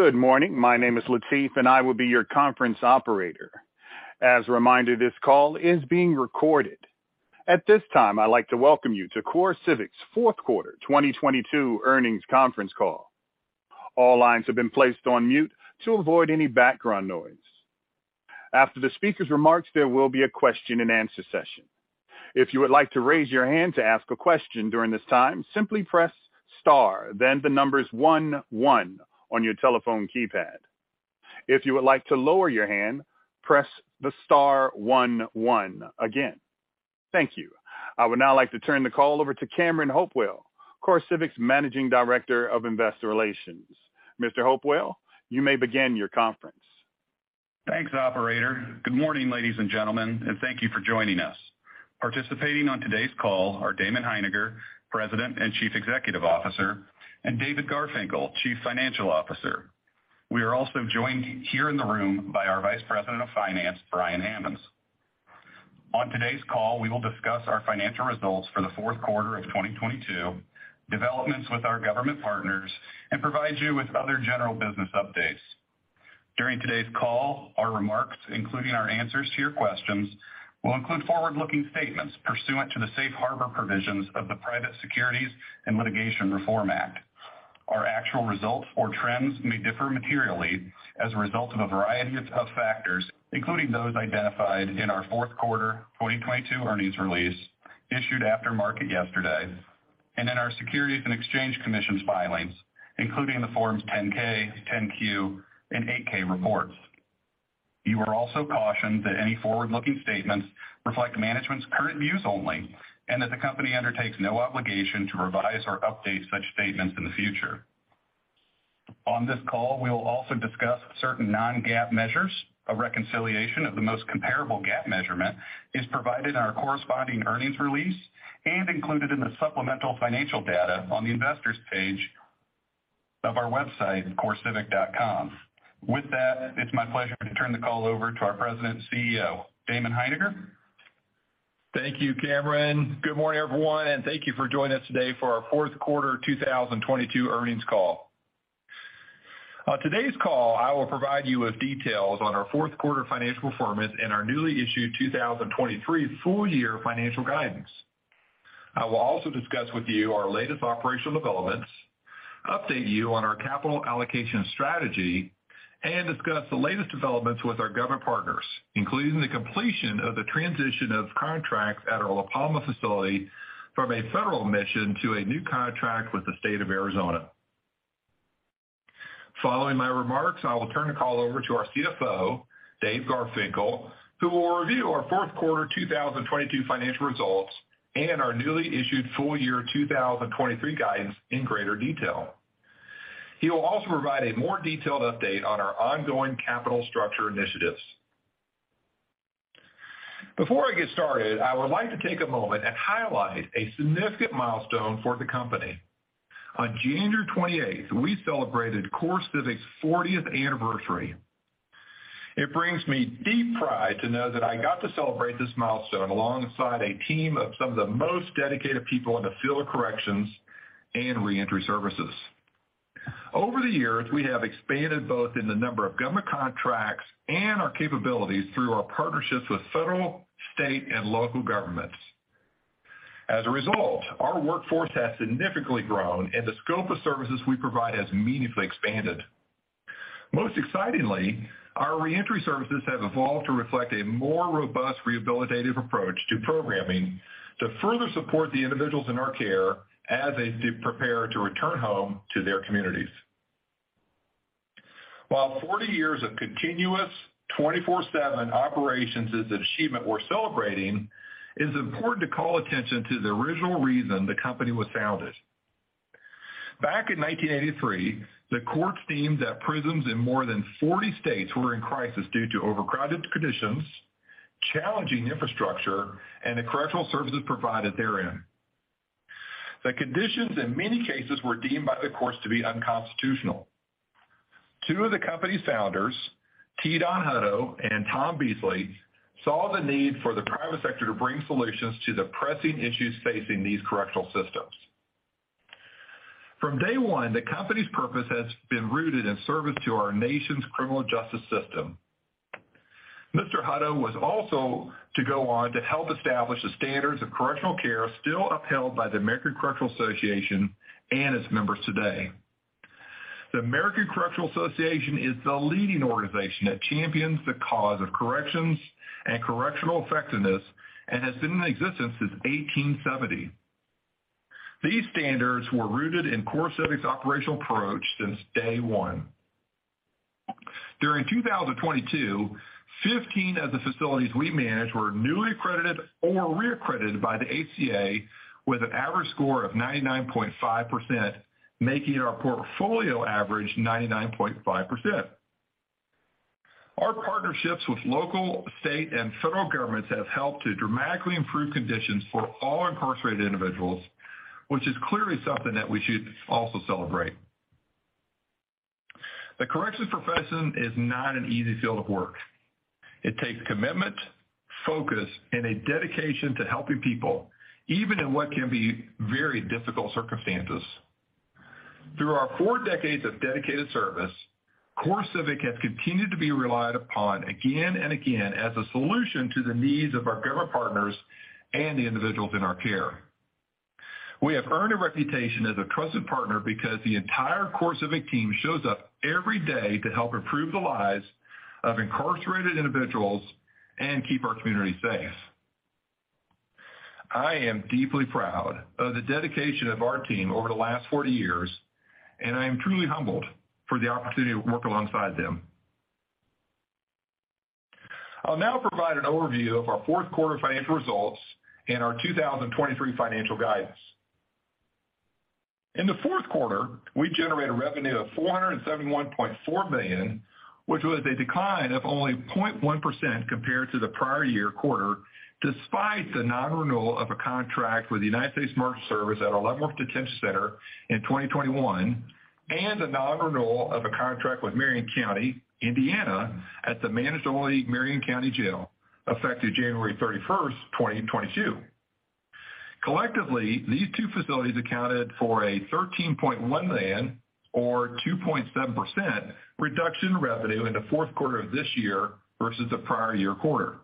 Good morning. My name is Latif, and I will be your conference operator. As a reminder, this call is being recorded. At this time, I'd like to welcome you to CoreCivic's fourth quarter 2022 earnings conference call. All lines have been placed on mute to avoid any background noise. After the speaker's remarks, there will be a question-and-answer session. If you would like to raise your hand to ask a question during this time, simply press star, then the numbers 1 1 on your telephone keypad. If you would like to lower your hand, press the star 1 1 again. Thank you. I would now like to turn the call over to Cameron Hopewell, CoreCivic's Managing Director of Investor Relations. Mr. Hopewell, you may begin your conference. Thanks, operator. Good morning, ladies and gentlemen, and thank you for joining us. Participating on today's call are Damon Hininger, President and Chief Executive Officer, and David Garfinkle, Chief Financial Officer. We are also joined here in the room by our Vice President of Finance, Brian Hammonds. On today's call, we will discuss our financial results for the fourth quarter of 2022, developments with our government partners, and provide you with other general business updates. During today's call, our remarks, including our answers to your questions, will include forward-looking statements pursuant to the safe harbor provisions of the Private Securities Litigation Reform Act. Our actual results or trends may differ materially as a result of a variety of factors, including those identified in our fourth quarter 2022 earnings release issued after market yesterday and in our Securities and Exchange Commission's filings, including the Forms 10-K, 10-Q, and 8-K reports. You are also cautioned that any forward-looking statements reflect management's current views only and that the company undertakes no obligation to revise or update such statements in the future. On this call, we will also discuss certain non-GAAP measures. A reconciliation of the most comparable GAAP measurement is provided in our corresponding earnings release and included in the supplemental financial data on the investor's page of our website, corecivic.com. With that, it's my pleasure to turn the call over to our President and CEO, Damon Hininger. Thank you, Cameron. Good morning, everyone, and thank you for joining us today for our fourth quarter 2022 earnings call. On today's call, I will provide you with details on our fourth quarter financial performance and our newly issued 2023 full year financial guidance. I will also discuss with you our latest operational developments, update you on our capital allocation strategy, and discuss the latest developments with our government partners, including the completion of the transition of contracts at our La Palma facility from a federal mission to a new contract with the State of Arizona. Following my remarks, I will turn the call over to our CFO, Dave Garfinkel, who will review our fourth quarter 2022 financial results and our newly issued full year 2023 guidance in greater detail. He will also provide a more detailed update on our ongoing capital structure initiatives. Before I get started, I would like to take a moment and highlight a significant milestone for the company. On January 28th, we celebrated CoreCivic's 40th anniversary. It brings me deep pride to know that I got to celebrate this milestone alongside a team of some of the most dedicated people in the field of corrections and reentry services. Over the years, we have expanded both in the number of government contracts and our capabilities through our partnerships with federal, state, and local governments. As a result, our workforce has significantly grown and the scope of services we provide has meaningfully expanded. Most excitingly, our reentry services have evolved to reflect a more robust rehabilitative approach to programming to further support the individuals in our care as they prepare to return home to their communities. While 40 years of continuous 24/7 operations is an achievement we're celebrating, it's important to call attention to the original reason the company was founded. Back in 1983, the courts deemed that prisons in more than 40 states were in crisis due to overcrowded conditions, challenging infrastructure, and the correctional services provided therein. The conditions in many cases were deemed by the courts to be unconstitutional. Two of the company's founders, T. Don Hutto and Tom Beasley, saw the need for the private sector to bring solutions to the pressing issues facing these correctional systems. From day one, the company's purpose has been rooted in service to our nation's criminal justice system. Mr. Hutto was also to go on to help establish the standards of correctional care still upheld by the American Correctional Association and its members today. The American Correctional Association is the leading organization that champions the cause of corrections and correctional effectiveness and has been in existence since 1870. These standards were rooted in CoreCivic's operational approach since day one. During 2022, 15 of the facilities we manage were newly accredited or reaccredited by the ACA with an average score of 99.5%, making our portfolio average 99.5%. Our partnerships with local, state, and federal governments have helped to dramatically improve conditions for all incarcerated individuals, which is clearly something that we should also celebrate. The corrections profession is not an easy field of work. It takes commitment, focus, and a dedication to helping people, even in what can be very difficult circumstances. Through our 4 decades of dedicated service, CoreCivic has continued to be relied upon again and again as a solution to the needs of our government partners and the individuals in our care. We have earned a reputation as a trusted partner because the entire CoreCivic team shows up every day to help improve the lives of incarcerated individuals and keep our communities safe. I am deeply proud of the dedication of our team over the last 40 years, and I am truly humbled for the opportunity to work alongside them. I'll now provide an overview of our fourth quarter financial results and our 2023 financial guidance. In the fourth quarter, we generated revenue of $471.4 million, which was a decline of only 0.1% compared to the prior year quarter, despite the non-renewal of a contract with the United States Marshals Service at our Leavenworth Detention Center in 2021 and the non-renewal of a contract with Marion County, Indiana, at the managed-only Marion County Jail, effective January 31, 2022. Collectively, these two facilities accounted for a $13.1 million or 2.7% reduction in revenue in the fourth quarter of this year versus the prior year quarter.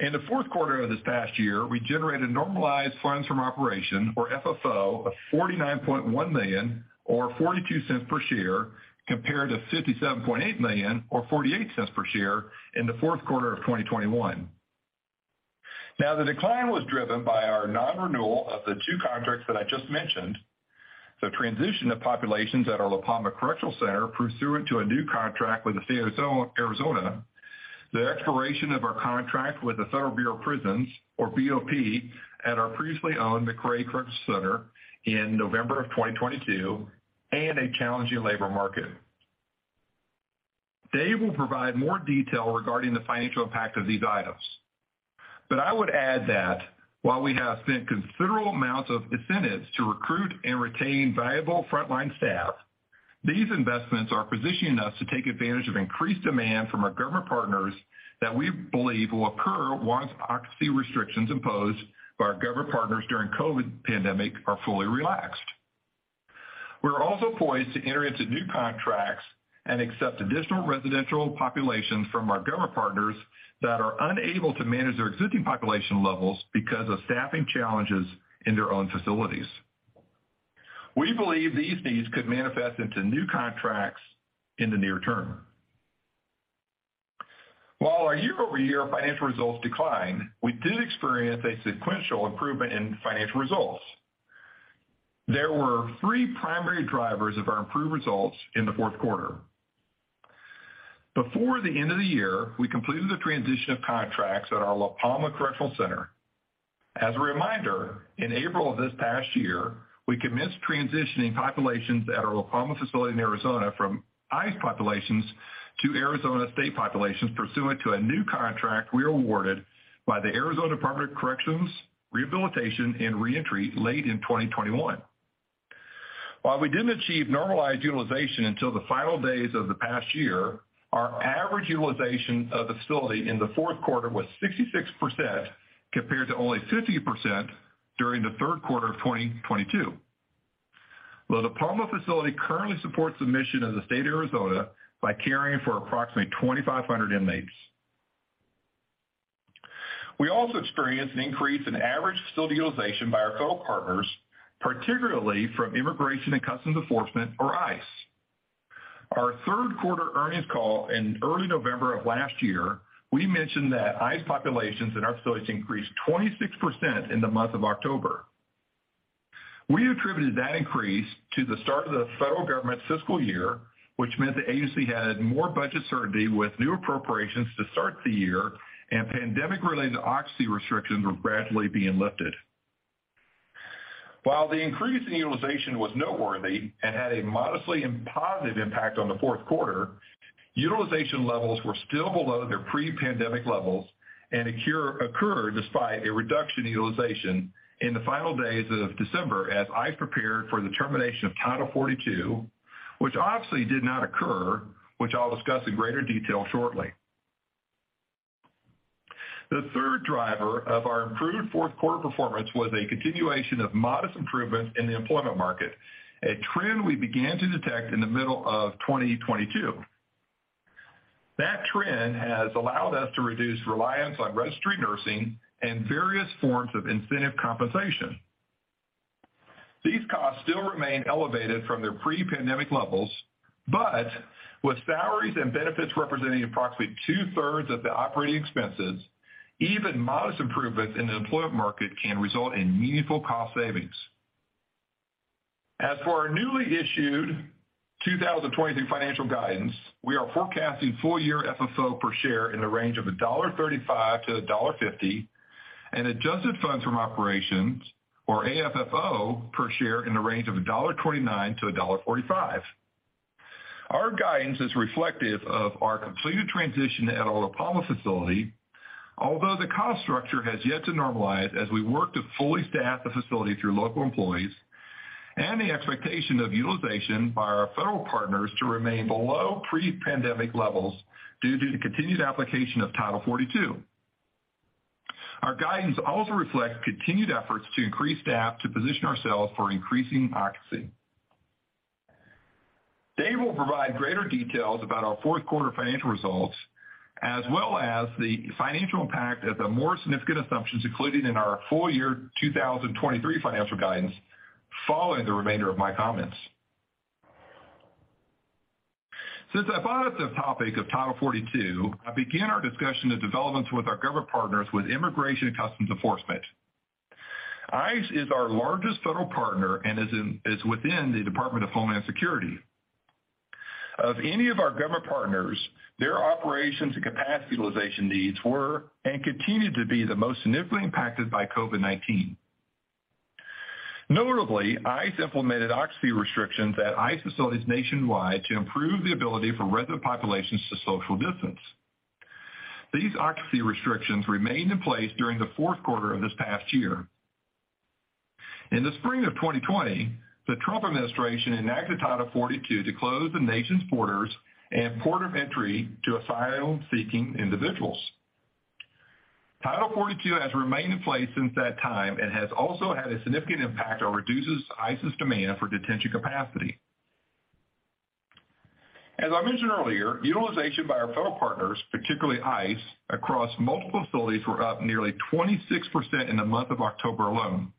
In the fourth quarter of this past year, we generated normalized funds from operation or FFO of $49.1 million or $0.42 per share, compared to $57.8 million or $0.48 per share in the fourth quarter of 2021. The decline was driven by our non-renewal of the two contracts that I just mentioned, the transition of populations at our La Palma Correctional Center pursuant to a new contract with the State of Arizona, the expiration of our contract with the Federal Bureau of Prisons or BOP at our previously owned McRae Correctional Facility in November of 2022, and a challenging labor market. Dave will provide more detail regarding the financial impact of these items. I would add that while we have spent considerable amounts of incentives to recruit and retain valuable frontline staff, these investments are positioning us to take advantage of increased demand from our government partners that we believe will occur once occupancy restrictions imposed by our government partners during COVID pandemic are fully relaxed. We are also poised to enter into new contracts and accept additional residential populations from our government partners that are unable to manage their existing population levels because of staffing challenges in their own facilities. We believe these needs could manifest into new contracts in the near term. While our year-over-year financial results declined, we did experience a sequential improvement in financial results. There were three primary drivers of our improved results in the fourth quarter. Before the end of the year, we completed the transition of contracts at our La Palma Correctional Center. As a reminder, in April of this past year, we commenced transitioning populations at our La Palma facility in Arizona from ICE populations to Arizona State populations pursuant to a new contract we were awarded by the Arizona Department of Corrections, Rehabilitation, and Reentry late in 2021. While we didn't achieve normalized utilization until the final days of the past year, our average utilization of the facility in the fourth quarter was 66% compared to only 50% during the third quarter of 2022. Well, the La Palma facility currently supports the mission of the State of Arizona by caring for approximately 2,500 inmates. We also experienced an increase in average facility utilization by our federal partners, particularly from Immigration and Customs Enforcement, or ICE. Our third quarter earnings call in early November of last year, we mentioned that ICE populations in our facilities increased 26% in the month of October. We attributed that increase to the start of the federal government's fiscal year, which meant the agency had more budget certainty with new appropriations to start the year and pandemic-related occupancy restrictions were gradually being lifted. While the increase in utilization was noteworthy and had a modestly positive impact on the fourth quarter, utilization levels were still below their pre-pandemic levels and occurred despite a reduction in utilization in the final days of December as ICE prepared for the termination of Title 42, which obviously did not occur, which I'll discuss in greater detail shortly. The third driver of our improved fourth quarter performance was a continuation of modest improvements in the employment market, a trend we began to detect in the middle of 2022. That trend has allowed us to reduce reliance on registry nursing and various forms of incentive compensation. These costs still remain elevated from their pre-pandemic levels, but with salaries and benefits representing approximately two-thirds of the operating expenses, even modest improvements in the employment market can result in meaningful cost savings. As for our newly issued 2023 financial guidance, we are forecasting full-year FFO per share in the range of $1.35 to $1.50 and adjusted funds from operations or AFFO per share in the range of $1.29 to $1.45. Our guidance is reflective of our completed transition at our La Palma facility. Although the cost structure has yet to normalize as we work to fully staff the facility through local employees and the expectation of utilization by our federal partners to remain below pre-pandemic levels due to the continued application of Title 42. Our guidance also reflects continued efforts to increase staff to position ourselves for increasing occupancy. Dave will provide greater details about our fourth quarter financial results as well as the financial impact of the more significant assumptions included in our full year 2023 financial guidance following the remainder of my comments. Since I brought up the topic of Title 42, I begin our discussion of developments with our government partners with Immigration and Customs Enforcement. ICE is our largest federal partner and is within the Department of Homeland Security. Of any of our government partners, their operations and capacity utilization needs were and continue to be the most significantly impacted by COVID-19. Notably, ICE implemented occupancy restrictions at ICE facilities nationwide to improve the ability for resident populations to social distance. These occupancy restrictions remained in place during the fourth quarter of this past year. In the spring of 2020, the Trump administration enacted Title 42 to close the nation's borders and port of entry to asylum-seeking individuals. Title 42 has remained in place since that time and has also had a significant impact on reduces ICE's demand for detention capacity. As I mentioned earlier, utilization by our fellow partners, particularly ICE, across multiple facilities, were up nearly 26% in the month of October alone.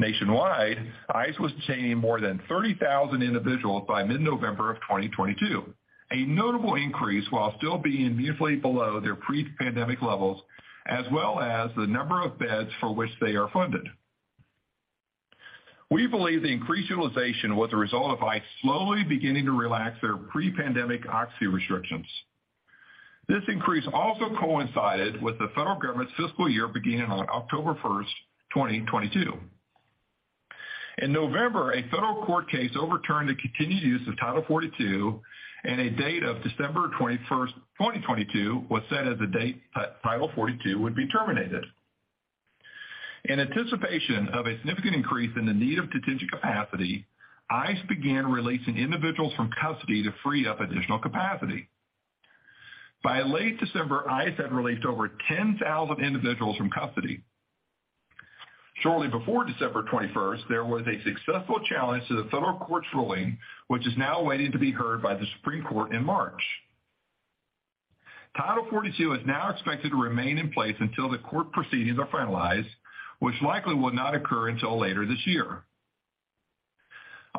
Nationwide, ICE was detaining more than 30,000 individuals by mid-November of 2022, a notable increase while still being meaningfully below their pre-pandemic levels, as well as the number of beds for which they are funded. We believe the increased utilization was a result of ICE slowly beginning to relax their pre-pandemic occupancy restrictions. This increase also coincided with the federal government's fiscal year beginning on October 1, 2022. In November, a federal court case overturned the continued use of Title 42. A date of December 21, 2022 was set as the date Title 42 would be terminated. In anticipation of a significant increase in the need of detention capacity, ICE began releasing individuals from custody to free up additional capacity. By late December, ICE had released over 10,000 individuals from custody. Shortly before December 21, there was a successful challenge to the federal court's ruling, which is now waiting to be heard by the Supreme Court in March. Title 42 is now expected to remain in place until the court proceedings are finalized, which likely will not occur until later this year.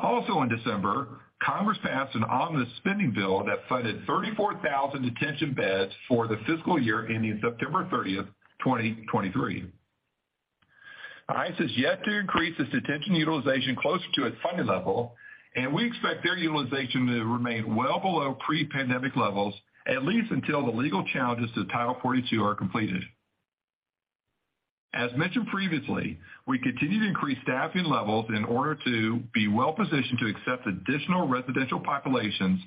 In December, Congress passed an omnibus spending bill that funded 34,000 detention beds for the fiscal year ending September 30, 2023. ICE has yet to increase its detention utilization closer to its funding level. We expect their utilization to remain well below pre-pandemic levels, at least until the legal challenges to Title 42 are completed. As mentioned previously, we continue to increase staffing levels in order to be well-positioned to accept additional residential populations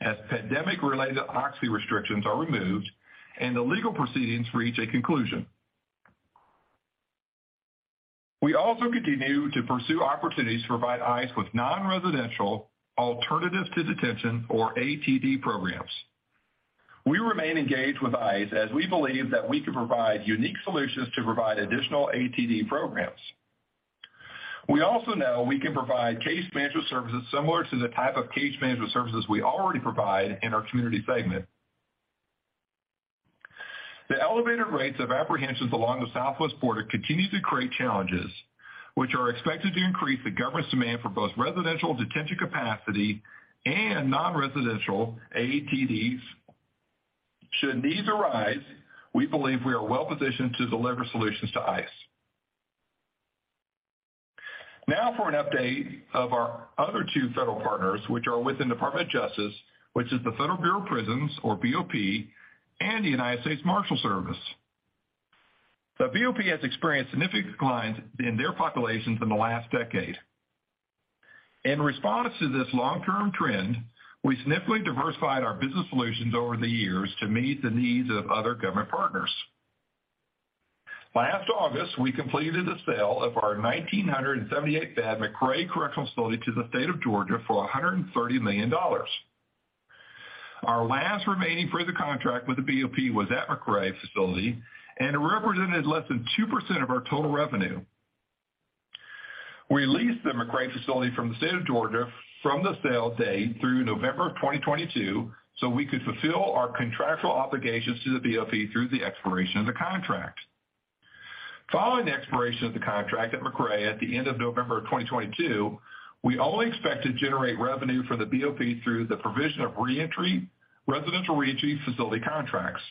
as pandemic-related occupancy restrictions are removed and the legal proceedings reach a conclusion. We also continue to pursue opportunities to provide ICE with non-residential alternatives to detention or ATD programs. We remain engaged with ICE as we believe that we can provide unique solutions to provide additional ATD programs. We also know we can provide case management services similar to the type of case management services we already provide in our community segment. The elevated rates of apprehensions along the southwest border continue to create challenges which are expected to increase the government's demand for both residential detention capacity and non-residential ATDs. Should needs arise, we believe we are well-positioned to deliver solutions to ICE. For an update of our other two federal partners which are within Department of Justice, which is the Federal Bureau of Prisons, or BOP, and the United States Marshals Service. The BOP has experienced significant declines in their populations in the last decade. In response to this long-term trend, we significantly diversified our business solutions over the years to meet the needs of other government partners. Last August, we completed the sale of our 1,978-bed McRae Correctional Facility to the State of Georgia for $130 million. Our last remaining prison contract with the BOP was at McRae Facility. It represented less than 2% of our total revenue. We leased the McRae Facility from the State of Georgia from the sale date through November of 2022. We could fulfill our contractual obligations to the BOP through the expiration of the contract. Following the expiration of the contract at McRae at the end of November of 2022, we only expect to generate revenue for the BOP through the provision of residential reentry facility contracts.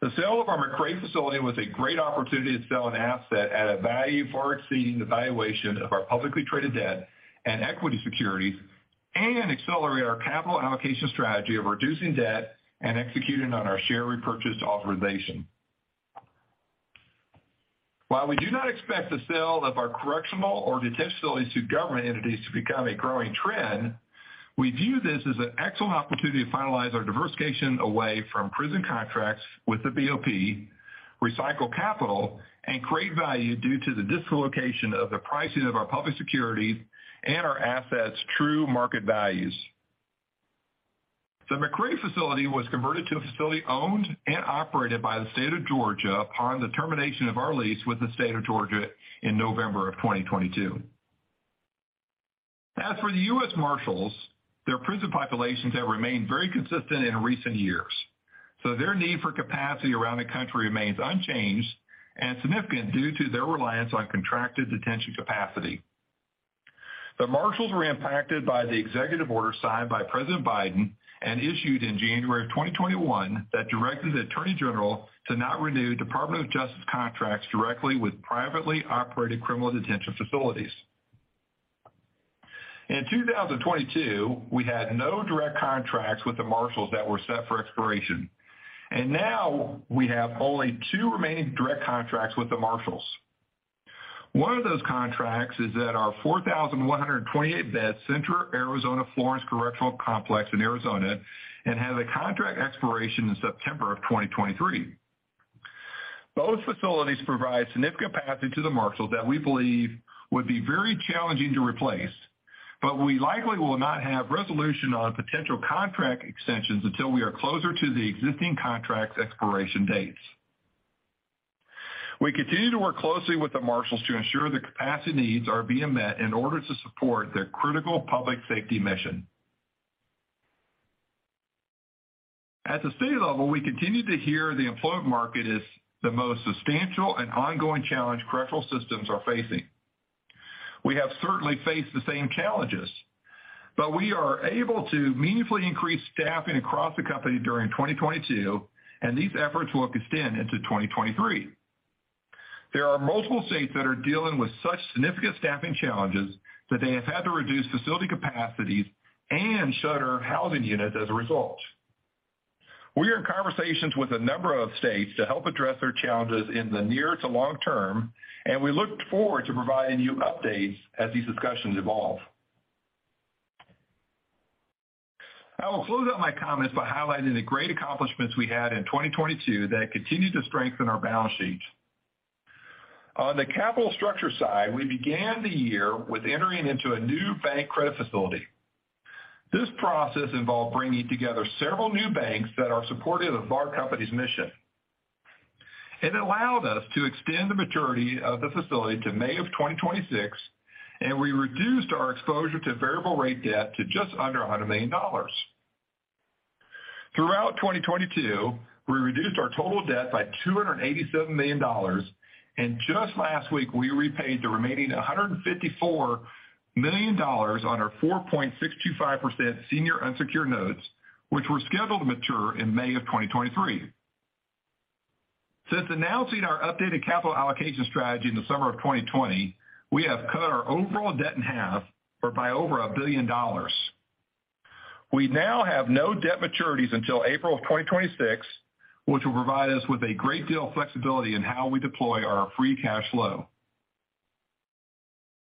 The sale of our McRae Facility was a great opportunity to sell an asset at a value far exceeding the valuation of our publicly traded debt and equity securities and accelerate our capital allocation strategy of reducing debt and executing on our share repurchase authorization. While we do not expect the sale of our correctional or detention facilities to government entities to become a growing trend, we view this as an excellent opportunity to finalize our diversification away from prison contracts with the BOP, recycle capital, and create value due to the dislocation of the pricing of our public security and our assets' true market values. The McRae facility was converted to a facility owned and operated by the state of Georgia upon the termination of our lease with the state of Georgia in November of 2022. As for the US Marshals, their prison populations have remained very consistent in recent years. Their need for capacity around the country remains unchanged and significant due to their reliance on contracted detention capacity. The Marshals were impacted by the executive order signed by President Biden and issued in January of 2021 that directed the Attorney General to not renew Department of Justice contracts directly with privately operated criminal detention facilities. In 2022, we had no direct contracts with the Marshals that were set for expiration, and now we have only 2 remaining direct contracts with the Marshals. One of those contracts is at our 4,128-bed Central Arizona Florence Correctional Complex in Arizona and has a contract expiration in September of 2023. Both facilities provide significant capacity to the Marshals that we believe would be very challenging to replace, but we likely will not have resolution on potential contract extensions until we are closer to the existing contracts' expiration dates. We continue to work closely with the Marshals to ensure their capacity needs are being met in order to support their critical public safety mission. At the state level, we continue to hear the employment market is the most substantial and ongoing challenge correctional systems are facing. We have certainly faced the same challenges, but we are able to meaningfully increase staffing across the company during 2022, and these efforts will extend into 2023. There are multiple states that are dealing with such significant staffing challenges that they have had to reduce facility capacities and shutter housing units as a result. We are in conversations with a number of states to help address their challenges in the near to long term. We look forward to providing you updates as these discussions evolve. I will close out my comments by highlighting the great accomplishments we had in 2022 that continue to strengthen our balance sheet. On the capital structure side, we began the year with entering into a new bank credit facility. This process involved bringing together several new banks that are supportive of our company's mission. It allowed us to extend the maturity of the facility to May of 2026, and we reduced our exposure to variable rate debt to just under $100 million. Throughout 2022, we reduced our total debt by $287 million, and just last week, we repaid the remaining $154 million on our 4.625% senior unsecured notes, which were scheduled to mature in May of 2023. Since announcing our updated capital allocation strategy in the summer of 2020, we have cut our overall debt in half or by over $1 billion. We now have no debt maturities until April of 2026, which will provide us with a great deal of flexibility in how we deploy our free cash flow.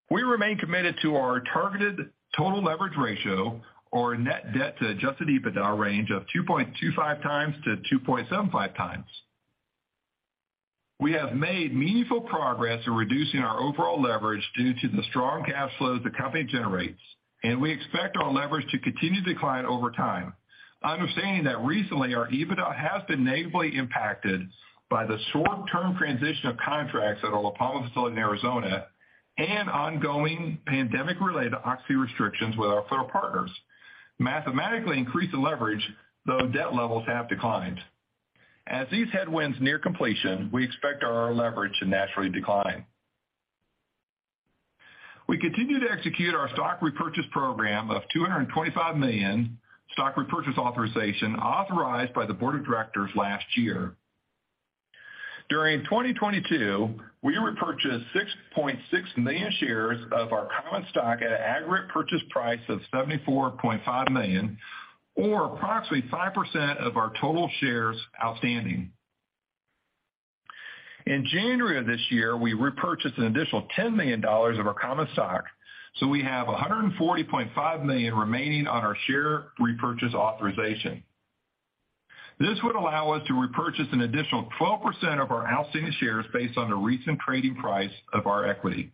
We remain committed to our targeted total leverage ratio or net debt to adjusted EBITDA range of 2.25x-2.75x. We have made meaningful progress in reducing our overall leverage due to the strong cash flows the company generates, and we expect our leverage to continue to decline over time. Understanding that recently, our EBITDA has been negatively impacted by the short-term transition of contracts at our La Palma facility in Arizona and ongoing pandemic-related oxy restrictions with our federal partners, mathematically increased the leverage, though debt levels have declined. As these headwinds near completion, we expect our leverage to naturally decline. We continue to execute our stock repurchase program of $225 million stock repurchase authorization authorized by the board of directors last year. During 2022, we repurchased 6.6 million shares of our common stock at an aggregate purchase price of $74.5 million or approximately 5% of our total shares outstanding. In January of this year, we repurchased an additional $10 million of our common stock. We have $140.5 million remaining on our share repurchase authorization. This would allow us to repurchase an additional 12% of our outstanding shares based on the recent trading price of our equity.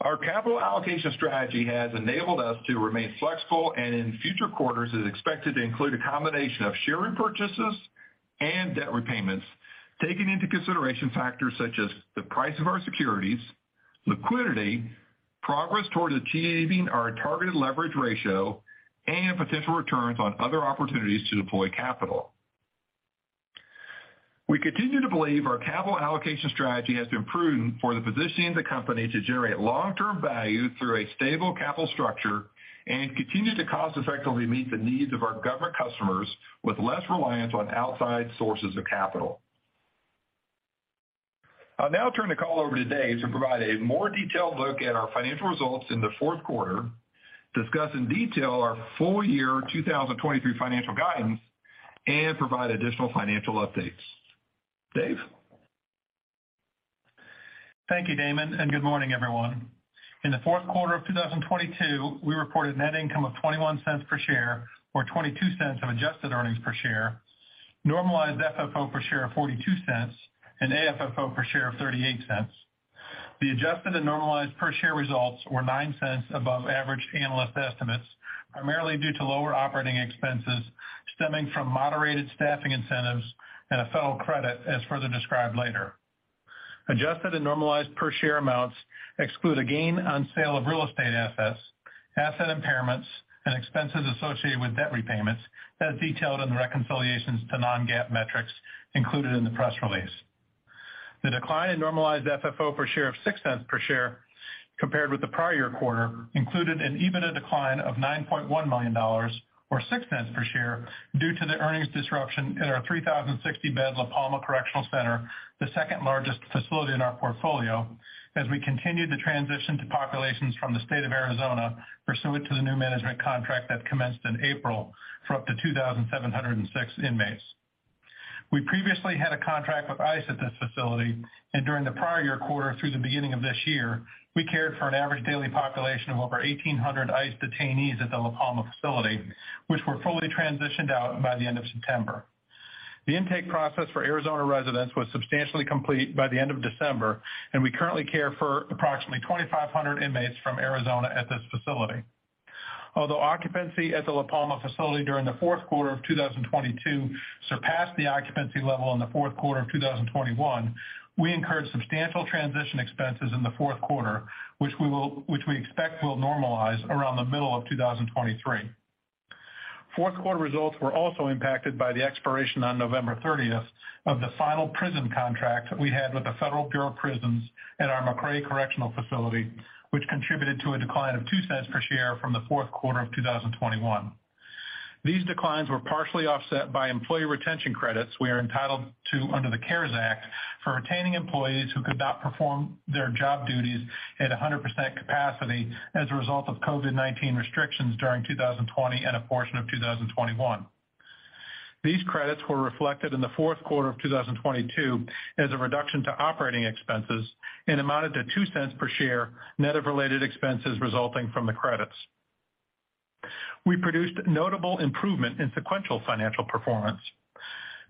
Our capital allocation strategy has enabled us to remain flexible, and in future quarters, is expected to include a combination of share repurchases and debt repayments, taking into consideration factors such as the price of our securities, liquidity, progress toward achieving our targeted leverage ratio, and potential returns on other opportunities to deploy capital. We continue to believe our capital allocation strategy has been prudent for the positioning of the company to generate long-term value through a stable capital structure and continue to cost-effectively meet the needs of our government customers with less reliance on outside sources of capital. I'll now turn the call over to Dave to provide a more detailed look at our financial results in the fourth quarter, discuss in detail our full year 2023 financial guidance, and provide additional financial updates. Dave. Thank you, Damon. Good morning, everyone. In the fourth quarter of 2022, we reported net income of $0.21 per share or $0.22 of adjusted earnings per share, normalized FFO per share of $0.42 and AFFO per share of $0.38. The adjusted and normalized per share results were $0.09 above average analyst estimates, primarily due to lower operating expenses stemming from moderated staffing incentives and a federal credit, as further described later. Adjusted and normalized per share amounts exclude a gain on sale of real estate assets, asset impairments, and expenses associated with debt repayments, as detailed in the reconciliations to non-GAAP metrics included in the press release. The decline in normalized FFO per share of $0.06 per share compared with the prior quarter included an EBITDA decline of $9.1 million or $0.06 per share due to the earnings disruption in our 3,060-bed La Palma Correctional Center, the second largest facility in our portfolio, as we continued to transition to populations from the State of Arizona pursuant to the new management contract that commenced in April for up to 2,706 inmates. We previously had a contract with ICE at this facility, during the prior quarter through the beginning of this year, we cared for an average daily population of over 1,800 ICE detainees at the La Palma facility, which were fully transitioned out by the end of September. The intake process for Arizona residents was substantially complete by the end of December, and we currently care for approximately 2,500 inmates from Arizona at this facility. Although occupancy at the La Palma facility during the fourth quarter of 2022 surpassed the occupancy level in the fourth quarter of 2021, we incurred substantial transition expenses in the fourth quarter, which we expect will normalize around the middle of 2023. Fourth quarter results were also impacted by the expiration on November thirtieth of the final prison contract we had with the Federal Bureau of Prisons at our McRae Correctional Facility, which contributed to a decline of $0.02 per share from the fourth quarter of 2021. These declines were partially offset by employee retention credits we are entitled to under the CARES Act for retaining employees who could not perform their job duties at 100% capacity as a result of COVID-19 restrictions during 2020 and a portion of 2021. These credits were reflected in the fourth quarter of 2022 as a reduction to operating expenses and amounted to $0.02 per share net of related expenses resulting from the credits. We produced notable improvement in sequential financial performance.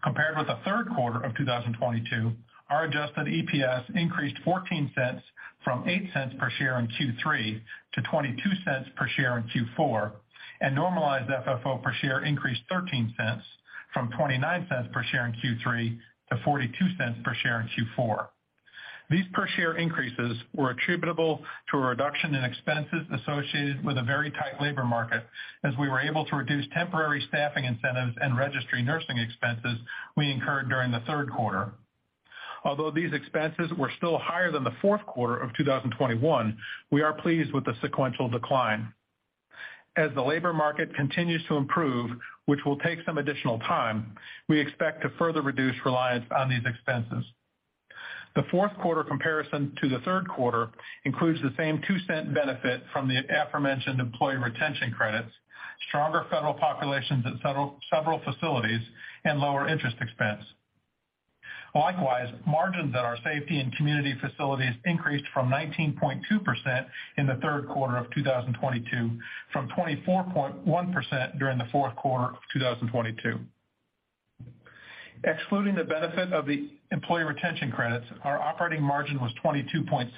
Compared with the third quarter of 2022, our adjusted EPS increased $0.14 from $0.08 per share in Q3 to $0.22 per share in Q4, and normalized FFO per share increased $0.13 from $0.29 per share in Q3 to $0.42 per share in Q4. These per share increases were attributable to a reduction in expenses associated with a very tight labor market, as we were able to reduce temporary staffing incentives and registry nursing expenses we incurred during the third quarter. Although these expenses were still higher than the fourth quarter of 2021, we are pleased with the sequential decline. As the labor market continues to improve, which will take some additional time, we expect to further reduce reliance on these expenses. The fourth quarter comparison to the third quarter includes the same $0.02 benefit from the aforementioned employee retention credits, stronger federal populations at several facilities, and lower interest expense. Margins at our safety and community facilities increased from 19.2% in the third quarter of 2022 from 24.1% during the fourth quarter of 2022. Excluding the benefit of the employee retention credits, our operating margin was 22.6%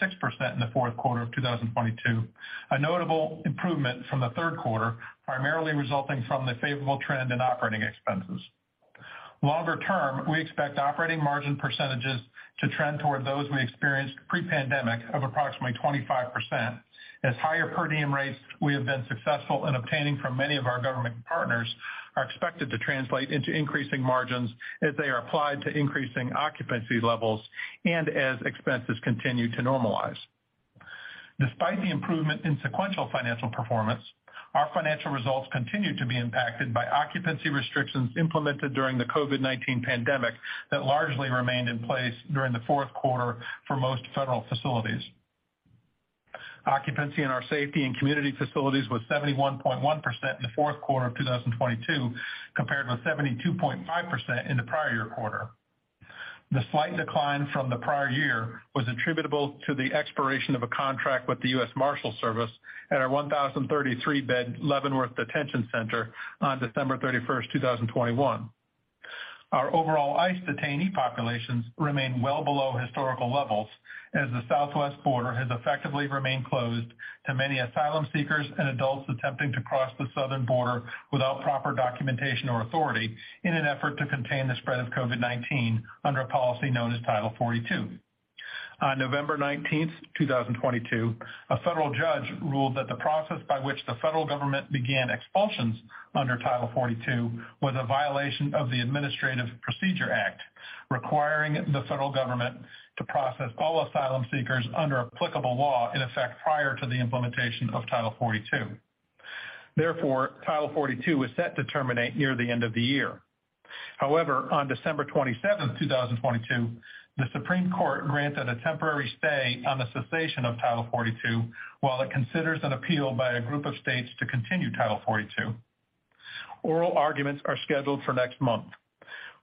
in the fourth quarter of 2022, a notable improvement from the third quarter, primarily resulting from the favorable trend in operating expenses. Longer term, we expect operating margin percentages to trend toward those we experienced pre-pandemic of approximately 25%. As higher per diem rates we have been successful in obtaining from many of our government partners are expected to translate into increasing margins as they are applied to increasing occupancy levels and as expenses continue to normalize. Despite the improvement in sequential financial performance, our financial results continued to be impacted by occupancy restrictions implemented during the COVID-19 pandemic that largely remained in place during the fourth quarter for most federal facilities. Occupancy in our safety and community facilities was 71.1% in the fourth quarter of 2022, compared with 72.5% in the prior year quarter. The slight decline from the prior year was attributable to the expiration of a contract with the US Marshals Service at our 1,033-bed Leavenworth Detention Center on December 31st, 2021. Our overall ICE detainee populations remain well below historical levels as the southwest border has effectively remained closed to many asylum seekers and adults attempting to cross the southern border without proper documentation or authority in an effort to contain the spread of COVID-19 under a policy known as Title 42. On November 19, 2022, a federal judge ruled that the process by which the federal government began expulsions under Title 42 was a violation of the Administrative Procedure Act, requiring the federal government to process all asylum seekers under applicable law in effect prior to the implementation of Title 42. Title 42 is set to terminate near the end of the year. On December 27, 2022, the Supreme Court granted a temporary stay on the cessation of Title 42 while it considers an appeal by a group of states to continue Title 42. Oral arguments are scheduled for next month.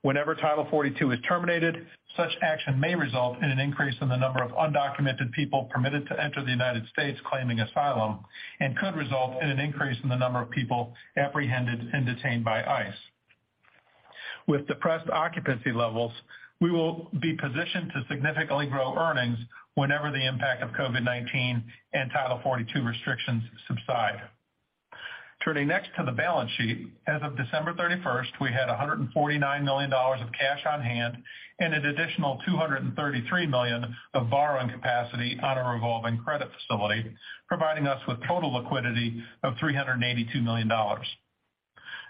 Whenever Title 42 is terminated, such action may result in an increase in the number of undocumented people permitted to enter the United States claiming asylum, and could result in an increase in the number of people apprehended and detained by ICE. With depressed occupancy levels, we will be positioned to significantly grow earnings whenever the impact of COVID-19 and Title 42 restrictions subside. Turning next to the balance sheet. As of December 31st, we had $149 million of cash on hand and an additional $233 million of borrowing capacity on our revolving credit facility, providing us with total liquidity of $382 million.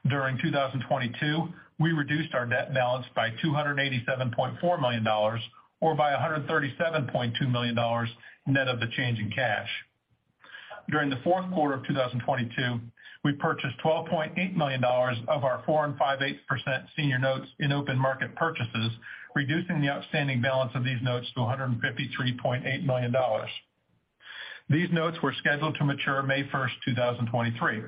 During 2022, we reduced our debt balance by $287.4 million or by $137.2 million net of the change in cash. During the fourth quarter of 2022, we purchased $12.8 million of our 4 and 5/8% senior notes in open market purchases, reducing the outstanding balance of these notes to $153.8 million. These notes were scheduled to mature May first, 2023.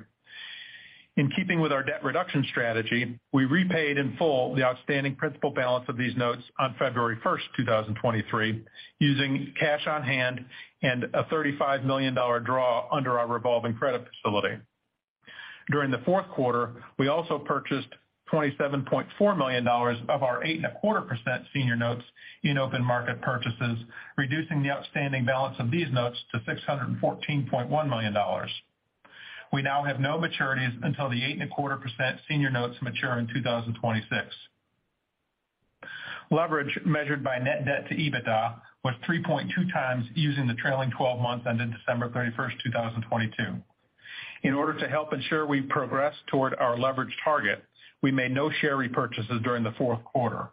In keeping with our debt reduction strategy, we repaid in full the outstanding principal balance of these notes on February first, 2023, using cash on hand and a $35 million draw under our revolving credit facility. During the fourth quarter, we also purchased $27.4 million of our 8 and a quarter% senior notes in open market purchases, reducing the outstanding balance of these notes to $614.1 million. We now have no maturities until the 8.25% senior notes mature in 2026. Leverage measured by net debt to EBITDA was 3.2x using the trailing twelve months ended December 31, 2022. In order to help ensure we progress toward our leverage target, we made no share repurchases during the fourth quarter.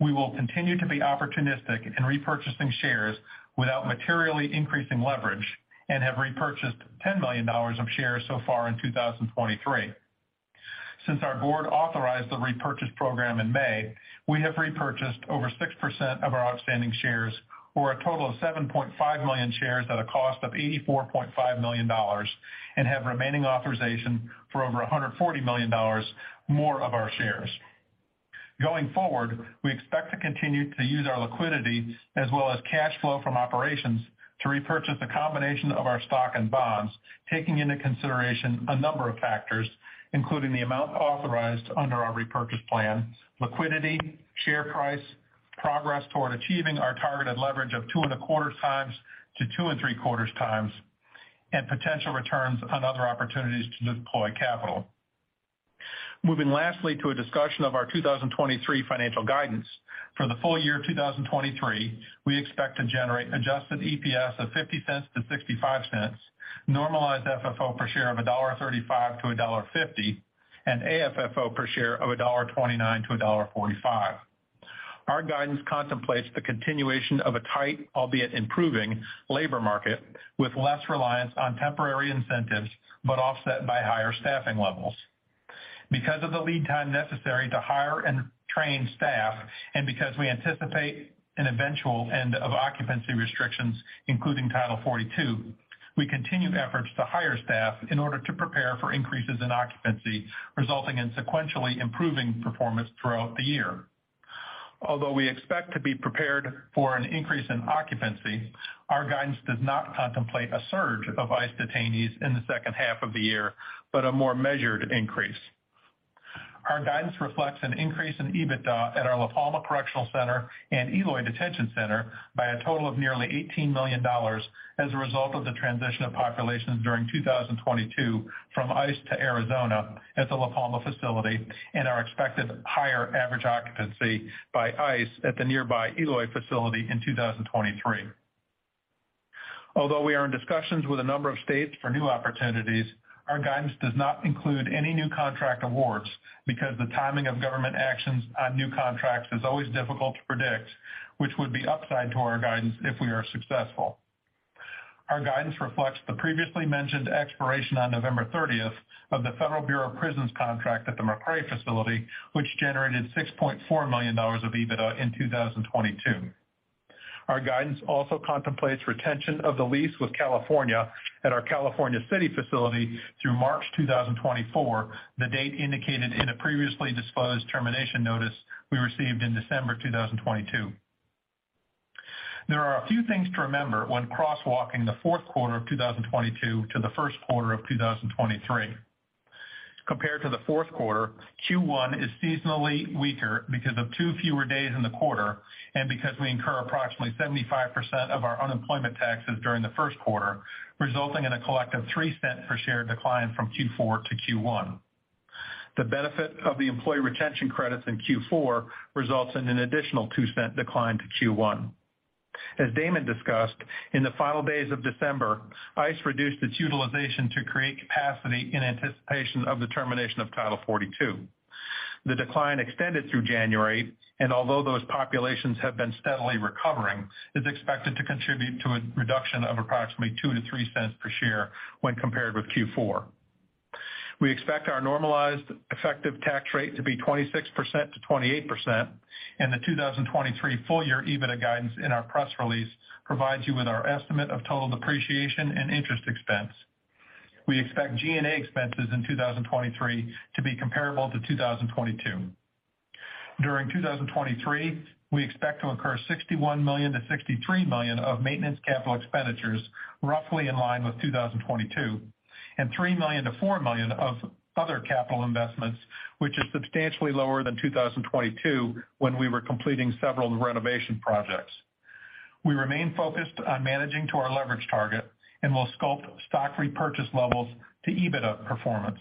We will continue to be opportunistic in repurchasing shares without materially increasing leverage and have repurchased $10 million of shares so far in 2023. Since our board authorized the repurchase program in May, we have repurchased over 6% of our outstanding shares or a total of 7.5 million shares at a cost of $84.5 million and have remaining authorization for over $140 million more of our shares. Going forward, we expect to continue to use our liquidity as well as cash flow from operations to repurchase a combination of our stock and bonds, taking into consideration a number of factors, including the amount authorized under our repurchase plan, liquidity, share price, progress toward achieving our targeted leverage of 2.25x-2.75x, and potential returns on other opportunities to deploy capital. Moving lastly to a discussion of our 2023 financial guidance. For the full year of 2023, we expect to generate adjusted EPS of $0.50-$0.65, normalized FFO per share of $1.35-$1.50, and AFFO per share of $1.29-$1.45. Our guidance contemplates the continuation of a tight, albeit improving, labor market with less reliance on temporary incentives, but offset by higher staffing levels. Because of the lead time necessary to hire and train staff, and because we anticipate an eventual end of occupancy restrictions, including Title 42, we continue efforts to hire staff in order to prepare for increases in occupancy, resulting in sequentially improving performance throughout the year. Although we expect to be prepared for an increase in occupancy, our guidance does not contemplate a surge of ICE detainees in the second half of the year, but a more measured increase. Our guidance reflects an increase in EBITDA at our La Palma Correctional Center and Eloy Detention Center by a total of nearly $18 million as a result of the transition of populations during 2022 from ICE to Arizona at the La Palma facility and our expected higher average occupancy by ICE at the nearby Eloy facility in 2023. We are in discussions with a number of states for new opportunities, our guidance does not include any new contract awards because the timing of government actions on new contracts is always difficult to predict, which would be upside to our guidance if we are successful. Our guidance reflects the previously mentioned expiration on November 30th of the Federal Bureau of Prisons contract at the McRae facility, which generated $6.4 million of EBITDA in 2022. Our guidance also contemplates retention of the lease with California at our California City facility through March 2024, the date indicated in a previously disclosed termination notice we received in December 2022. There are a few things to remember when crosswalking the fourth quarter of 2022 to the first quarter of 2023. Compared to the fourth quarter, Q1 is seasonally weaker because of 2 fewer days in the quarter and because we incur approximately 75% of our unemployment taxes during the first quarter, resulting in a collective $0.03 per share decline from Q4 to Q1. The benefit of the employee retention credits in Q4 results in an additional $0.02 decline to Q1. As Damon discussed, in the final days of December, ICE reduced its utilization to create capacity in anticipation of the termination of Title 42. The decline extended through January, and although those populations have been steadily recovering, is expected to contribute to a reduction of approximately $0.02-$0.03 per share when compared with Q4. We expect our normalized effective tax rate to be 26%-28%, and the 2023 full year EBITDA guidance in our press release provides you with our estimate of total depreciation and interest expense. We expect G&A expenses in 2023 to be comparable to 2022. During 2023, we expect to incur $61 million-$63 million of maintenance capital expenditures roughly in line with 2022, and $3 million-$4 million of other capital investments, which is substantially lower than 2022 when we were completing several renovation projects. We remain focused on managing to our leverage target and will scope stock repurchase levels to EBITDA performance.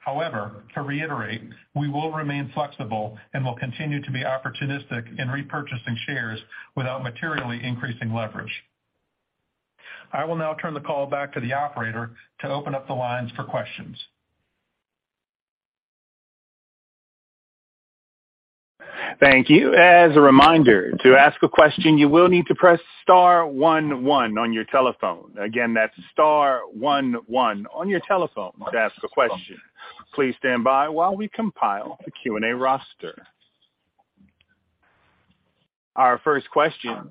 However, to reiterate, we will remain flexible and will continue to be opportunistic in repurchasing shares without materially increasing leverage. I will now turn the call back to the operator to open up the lines for questions. Thank you. As a reminder, to ask a question, you will need to press star one one on your telephone. Again, that's star one one on your telephone to ask a question. Please stand by while we compile the Q&A roster. Our first question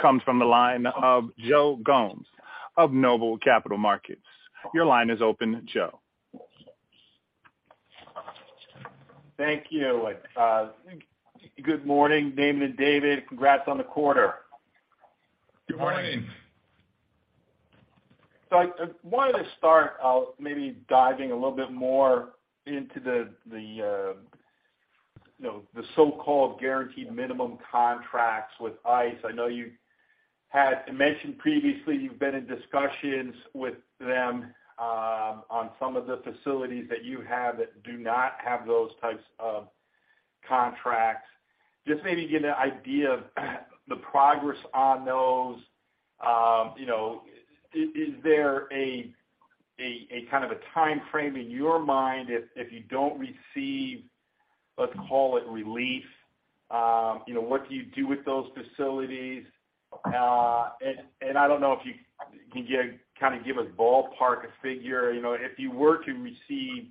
comes from the line of Joe Gomes of Noble Capital Markets. Your line is open, Joe. Thank you. Good morning, Damon and David. Congrats on the quarter. Good morning. Good morning. I'd want to start out maybe diving a little bit more into the, you know, the so-called guaranteed minimum contracts with ICE. I know you had mentioned previously you've been in discussions with them on some of the facilities that you have that do not have those types of contracts. Just maybe give me an idea of the progress on those. You know, is there a kind of a time frame in your mind if you don't receive, let's call it relief, you know, what do you do with those facilities? And I don't know if you can kind of give us ballpark figure. You know, if you were to receive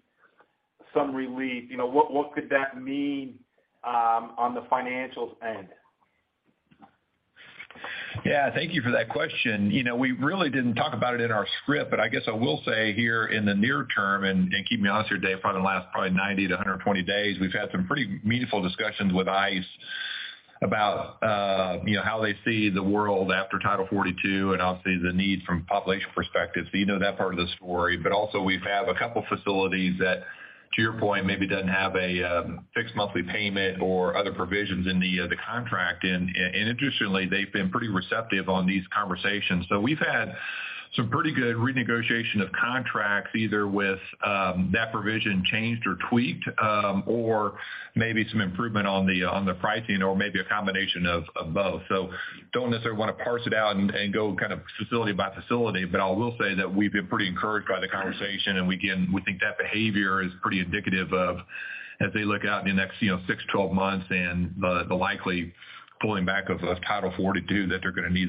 some relief, you know, what could that mean on the financials end? Yeah, thank you for that question. You know, we really didn't talk about it in our script, but I guess I will say here in the near term, and keep me honest here, Dave, probably the last 90 to 120 days, we've had some pretty meaningful discussions with ICE about, you know, how they see the world after Title 42, and obviously the need from population perspective. You know that part of the story. Also we've have a couple facilities that, to your point, maybe doesn't have a fixed monthly payment or other provisions in the contract. Interestingly, they've been pretty receptive on these conversations. We've had some pretty good renegotiation of contracts, either with that provision changed or tweaked, or maybe some improvement on the, on the pricing or maybe a combination of both. Don't necessarily want to parse it out and go kind of facility by facility, but I will say that we've been pretty encouraged by the conversation, and we again, we think that behavior is pretty indicative of as they look out in the next, you know, 6, 12 months and the likely pulling back of Title 42, that they're gonna need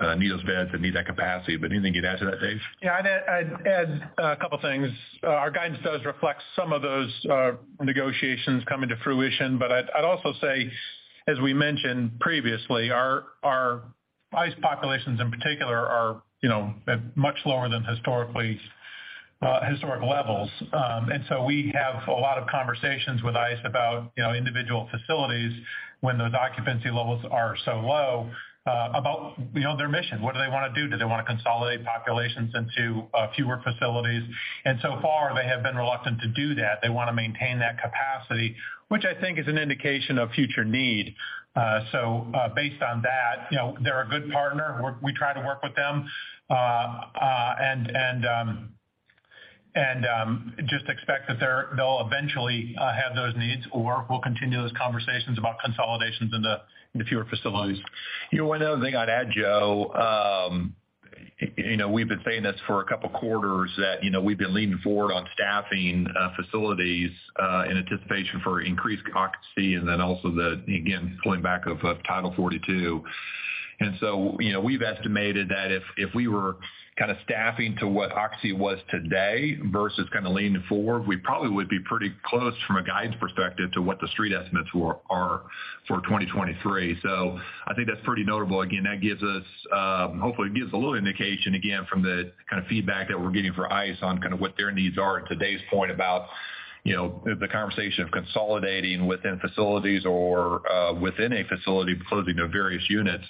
those beds and need that capacity. Anything you'd add to that, Dave? Yeah, I'd add a couple things. Our guidance does reflect some of those negotiations coming to fruition. I'd also say, as we mentioned previously, our ICE populations in particular are, you know, at much lower than historically historic levels. We have a lot of conversations with ICE about, you know, individual facilities when those occupancy levels are so low, about, you know, their mission. What do they wanna do? Do they wanna consolidate populations into fewer facilities? So far they have been reluctant to do that. They wanna maintain that capacity, which I think is an indication of future need. Based on that, you know, they're a good partner. We try to work with them, and just expect that they'll eventually have those needs or we'll continue those conversations about consolidations into the fewer facilities. You know, one other thing I'd add, Joe, you know, we've been saying this for a couple quarters that, you know, we've been leaning forward on staffing, facilities, in anticipation for increased occupancy and then also the, again, pulling back of Title 42. You know, we've estimated that if we were kind of staffing to what occupancy was today versus kind of leaning forward, we probably would be pretty close from a guidance perspective to what the street estimates are for 2023. I think that's pretty notable. Again, that gives us, hopefully it gives a little indication again from the kind of feedback that we're getting for ICE on kind of what their needs are. To Dave's point about, you know, the conversation of consolidating within facilities or within a facility closing of various units,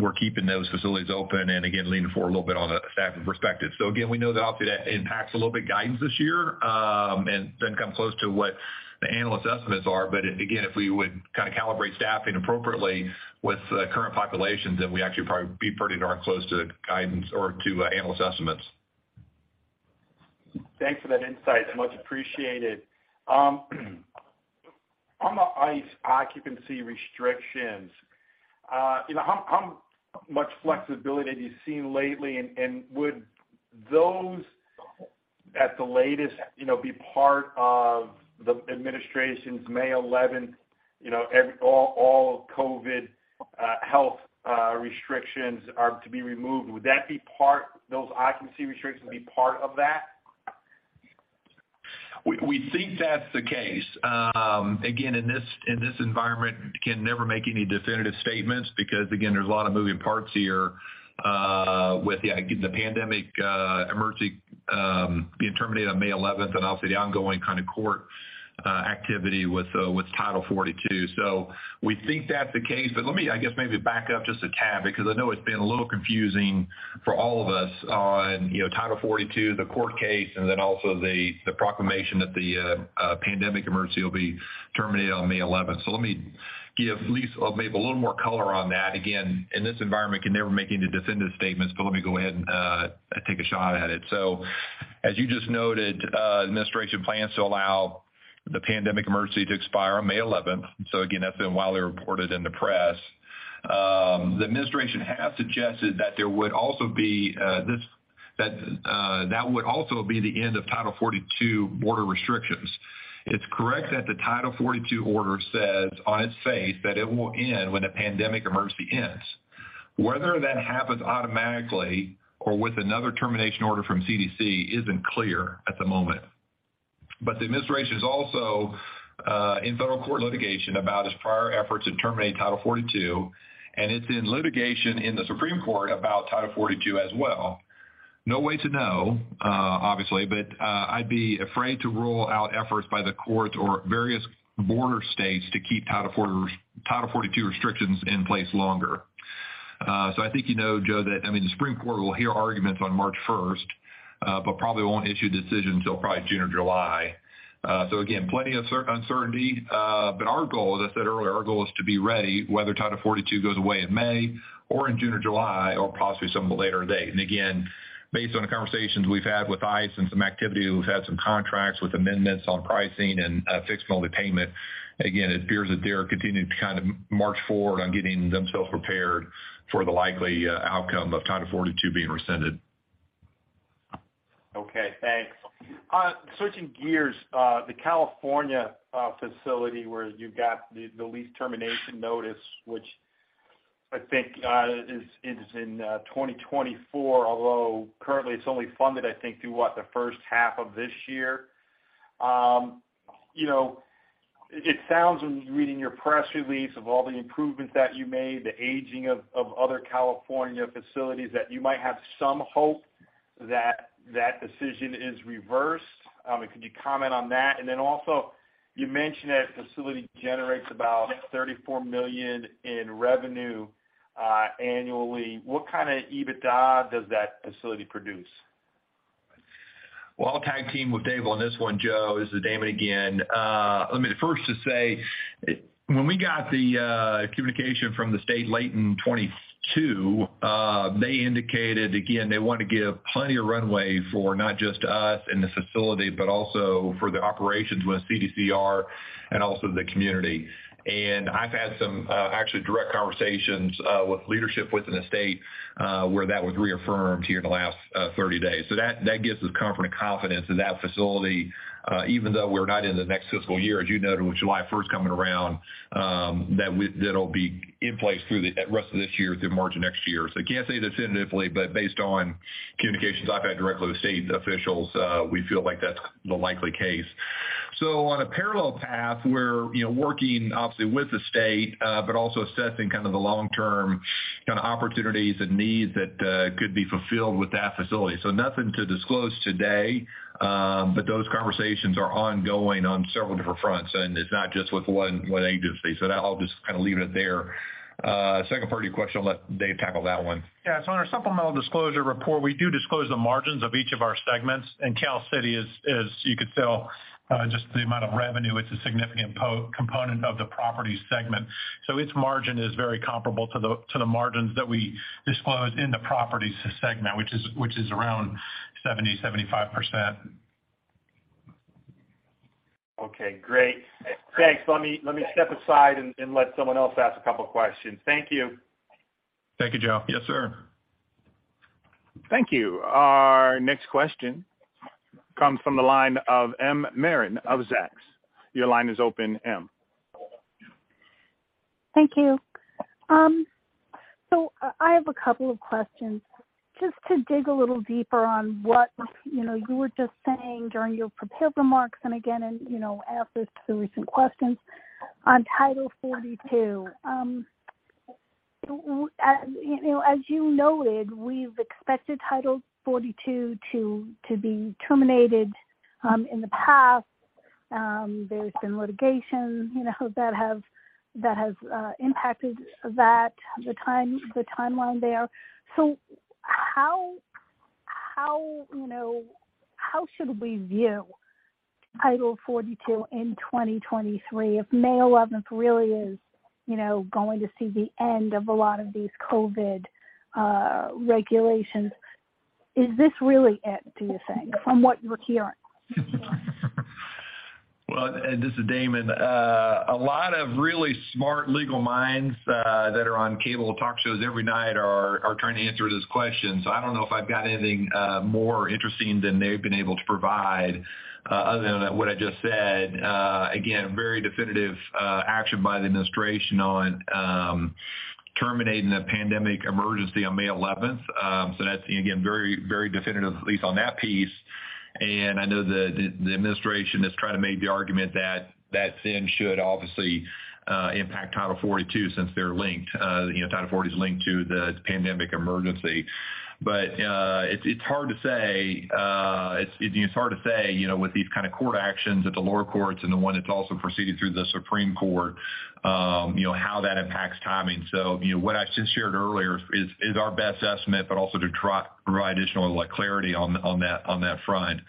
we're keeping those facilities open and again, leaning forward a little bit on a staffing perspective. Again, we know that obviously that impacts a little bit guidance this year, and doesn't come close to what the analyst estimates are. Again, if we would kind of calibrate staffing appropriately with the current populations, then we actually probably be pretty darn close to guidance or to analyst estimates. Thanks for that insight. Much appreciated. On the ICE occupancy restrictions, you know, how much flexibility have you seen lately? Would those at the latest, you know, be part of the administration's May 11th, you know, all COVID health restrictions are to be removed? Would those occupancy restrictions be part of that? We think that's the case. Again, in this environment, can never make any definitive statements because, again, there's a lot of moving parts here, with the pandemic emergency being terminated on May 11th and obviously the ongoing kind of court activity with Title 42. We think that's the case. Let me, I guess, maybe back up just a tad because I know it's been a little confusing for all of us on, you know, Title 42, the court case, and then also the proclamation that the pandemic emergency will be terminated on May 11th. Let me give at least maybe a little more color on that. Again, in this environment, can never make any definitive statements, but let me go ahead and take a shot at it. As you just noted, Administration plans to allow the pandemic emergency to expire on May 11th. Again, that's been widely reported in the press. The Administration has suggested that there would also be that would also be the end of Title 42 border restrictions. It's correct that the Title 42 order says on its face that it will end when the pandemic emergency ends. Whether that happens automatically or with another termination order from CDC isn't clear at the moment. The Administration is also in federal court litigation about its prior efforts to terminate Title 42, and it's in litigation in the Supreme Court about Title 42 as well. No way to know, obviously, I'd be afraid to rule out efforts by the courts or various border states to keep Title 42 restrictions in place longer. I think you know, Joe, that, I mean, the Supreme Court will hear arguments on March 1st, but probably won't issue decisions until probably June or July. Again, plenty of uncertainty. Our goal, as I said earlier, our goal is to be ready whether Title 42 goes away in May or in June or July or possibly some later date. Again, based on the conversations we've had with ICE and some activity, we've had some contracts with amendments on pricing and fixed monthly payment. Again, it appears that they're continuing to kind of march forward on getting themselves prepared for the likely outcome of Title 42 being rescinded. Okay, thanks. Switching gears, the California facility where you've got the lease termination notice, which I think is in 2024, although currently it's only funded, I think, through the first half of this year. You know, it sounds, when reading your press release of all the improvements that you made, the aging of other California facilities, that you might have some hope that that decision is reversed. Could you comment on that? Also you mentioned that facility generates about $34 million in revenue annually. What kind of EBITDA does that facility produce? Well, I'll tag team with Dave on this one, Joe. This is Damon again. Let me first just say when we got the communication from the state late in 2022, they indicated again they want to give plenty of runway for not just us and the facility, but also for the operations with CDCR and also the community. I've had some, actually direct conversations with leadership within the state, where that was reaffirmed here in the last 30 days. That, that gives us comfort and confidence in that facility, even though we're not in the next fiscal year, as you noted, with July 1st coming around, that'll be in place through the rest of this year through March of next year. I can't say definitively, but based on communications I've had directly with state officials, we feel like that's the likely case. On a parallel path, we're, you know, working obviously with the state, but also assessing kind of the long-term kinda opportunities and needs that could be fulfilled with that facility. Nothing to disclose today, but those conversations are ongoing on several different fronts, and it's not just with one agency. That I'll just kinda leave it there. Second part of your question, I'll let Dave tackle that one. On our supplemental disclosure report, we do disclose the margins of each of our segments. Cal City is, you could tell, just the amount of revenue, it's a significant component of the property segment. Its margin is very comparable to the margins that we disclose in the property segment, which is around 70%-75%. Okay, great. Thanks. Let me step aside and let someone else ask a couple questions. Thank you. Thank you, Joe. Yes, sir. Thank you. Our next question comes from the line of M. Marin of Zacks. Your line is open, M. Thank you. I have a couple of questions. Just to dig a little deeper on what, you know, you were just saying during your prepared remarks and again and, you know, after the recent questions on Title 42. You know, as you noted, we've expected Title 42 to be terminated in the past. There's been litigation, you know, that has impacted that, the timeline there. How, you know, how should we view Title 42 in 2023 if May 11th really is, you know, going to see the end of a lot of these COVID regulations? Is this really it, do you think, from what you're hearing? Well, and this is Damon. A lot of really smart legal minds that are on cable talk shows every night are trying to answer this question. So I don't know if I've got anything more interesting than they've been able to provide other than what I just said. Again, very definitive action by the administration on terminating the pandemic emergency on May 11th. That's, again, very, very definitive, at least on that piece. I know the administration has tried to make the argument that that then should obviously impact Title 42 since they're linked. You know, Title 42 is linked to the pandemic emergency. it's hard to say, it's hard to say, you know, with these kind of court actions at the lower courts and the one that's also proceeding through the Supreme Court, you know, how that impacts timing. You know, what I just shared earlier is our best estimate, but also to try provide additional clarity on that front.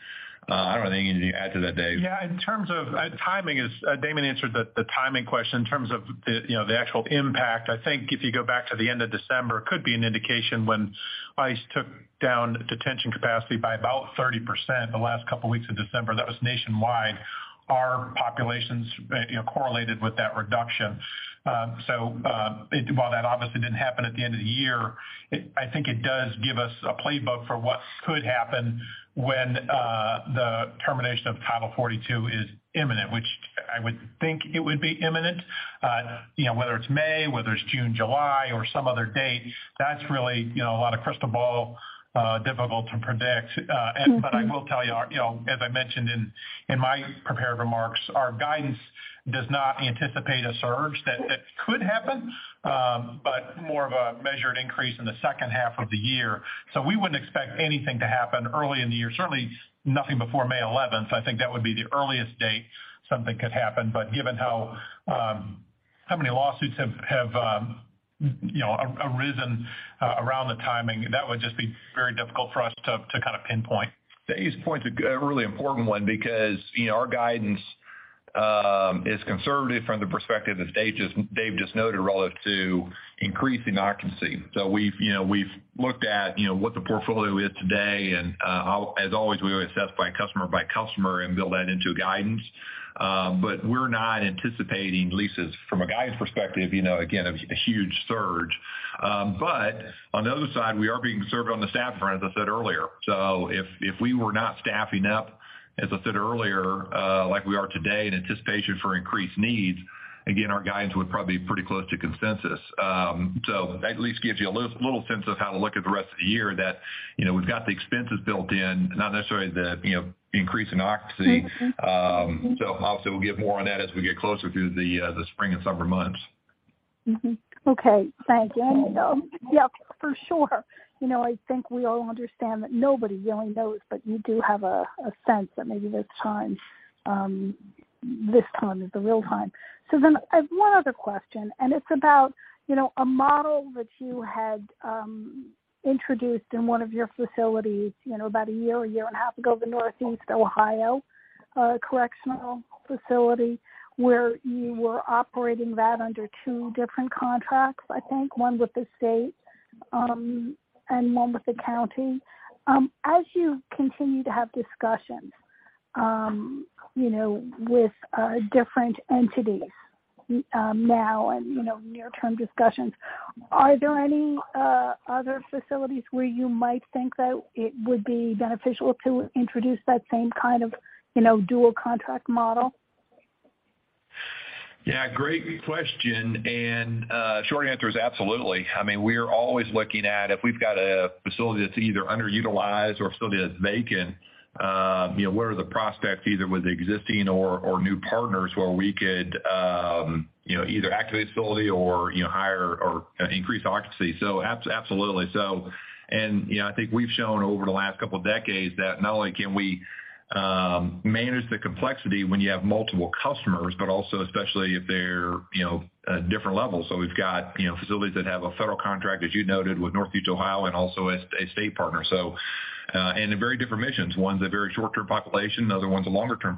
I don't know anything to add to that, Dave. In terms of timing Damon answered the timing question. In terms of the, you know, the actual impact, I think if you go back to the end of December, it could be an indication when ICE took down detention capacity by about 30% the last couple weeks of December. That was nationwide. Our populations, you know, correlated with that reduction. While that obviously didn't happen at the end of the year, I think it does give us a playbook for what could happen when the termination of Title 42 is imminent, which I would think it would be imminent. You know, whether it's May, whether it's June, July, or some other date, that's really, you know, a lot of crystal ball, difficult to predict. Mm-hmm. I will tell you know, as I mentioned in my prepared remarks, our guidance does not anticipate a surge. That could happen, but more of a measured increase in the second half of the year. We wouldn't expect anything to happen early in the year, certainly nothing before May 11th. I think that would be the earliest date something could happen. Given how many lawsuits have, you know, arisen around the timing, that would just be very difficult for us to kind of pinpoint. Dave's point's a really important one because, you know, our guidance is conservative from the perspective, as Dave just noted, relative to increasing occupancy. We've, you know, we've looked at, you know, what the portfolio is today and As always, we always assess by customer by customer and build that into a guidance. We're not anticipating, Lisa, from a guidance perspective, you know, again, a huge surge. On the other side, we are being conservative on the staff front, as I said earlier. If we were not staffing up, as I said earlier, like we are today in anticipation for increased needs, again, our guidance would probably be pretty close to consensus. That at least gives you a little sense of how to look at the rest of the year that, you know, we've got the expenses built in, not necessarily the, you know, increase in occupancy. Obviously, we'll give more on that as we get closer through the spring and summer months. Mm-hmm. Okay. Thank you. You're welcome. Yeah, for sure. You know, I think we all understand that nobody really knows, but you do have a sense that maybe this time, this time is the real time. I have one other question, and it's about, you know, a model that you had introduced in one of your facilities, you know, about a year, a year and a half ago, the Northeast Ohio Correctional Facility, where you were operating that under two different contracts, I think, one with the state, and one with the county. As you continue to have discussions, you know, with different entities, now and, you know, near-term discussions, are there any other facilities where you might think that it would be beneficial to introduce that same kind of, you know, dual contract model? Yeah, great question. Short answer is absolutely. I mean, we're always looking at if we've got a facility that's either underutilized or a facility that's vacant, you know, what are the prospects either with existing or new partners where we could, you know, either activate the facility or, you know, hire or increase occupancy. Absolutely so. You know, I think we've shown over the last couple decades that not only can we manage the complexity when you have multiple customers, but also especially if they're, you know, at different levels. We've got, you know, facilities that have a federal contract, as you noted, with Northeast Ohio and also a state partner. They're very different missions. One's a very short-term population. The other one's a longer-term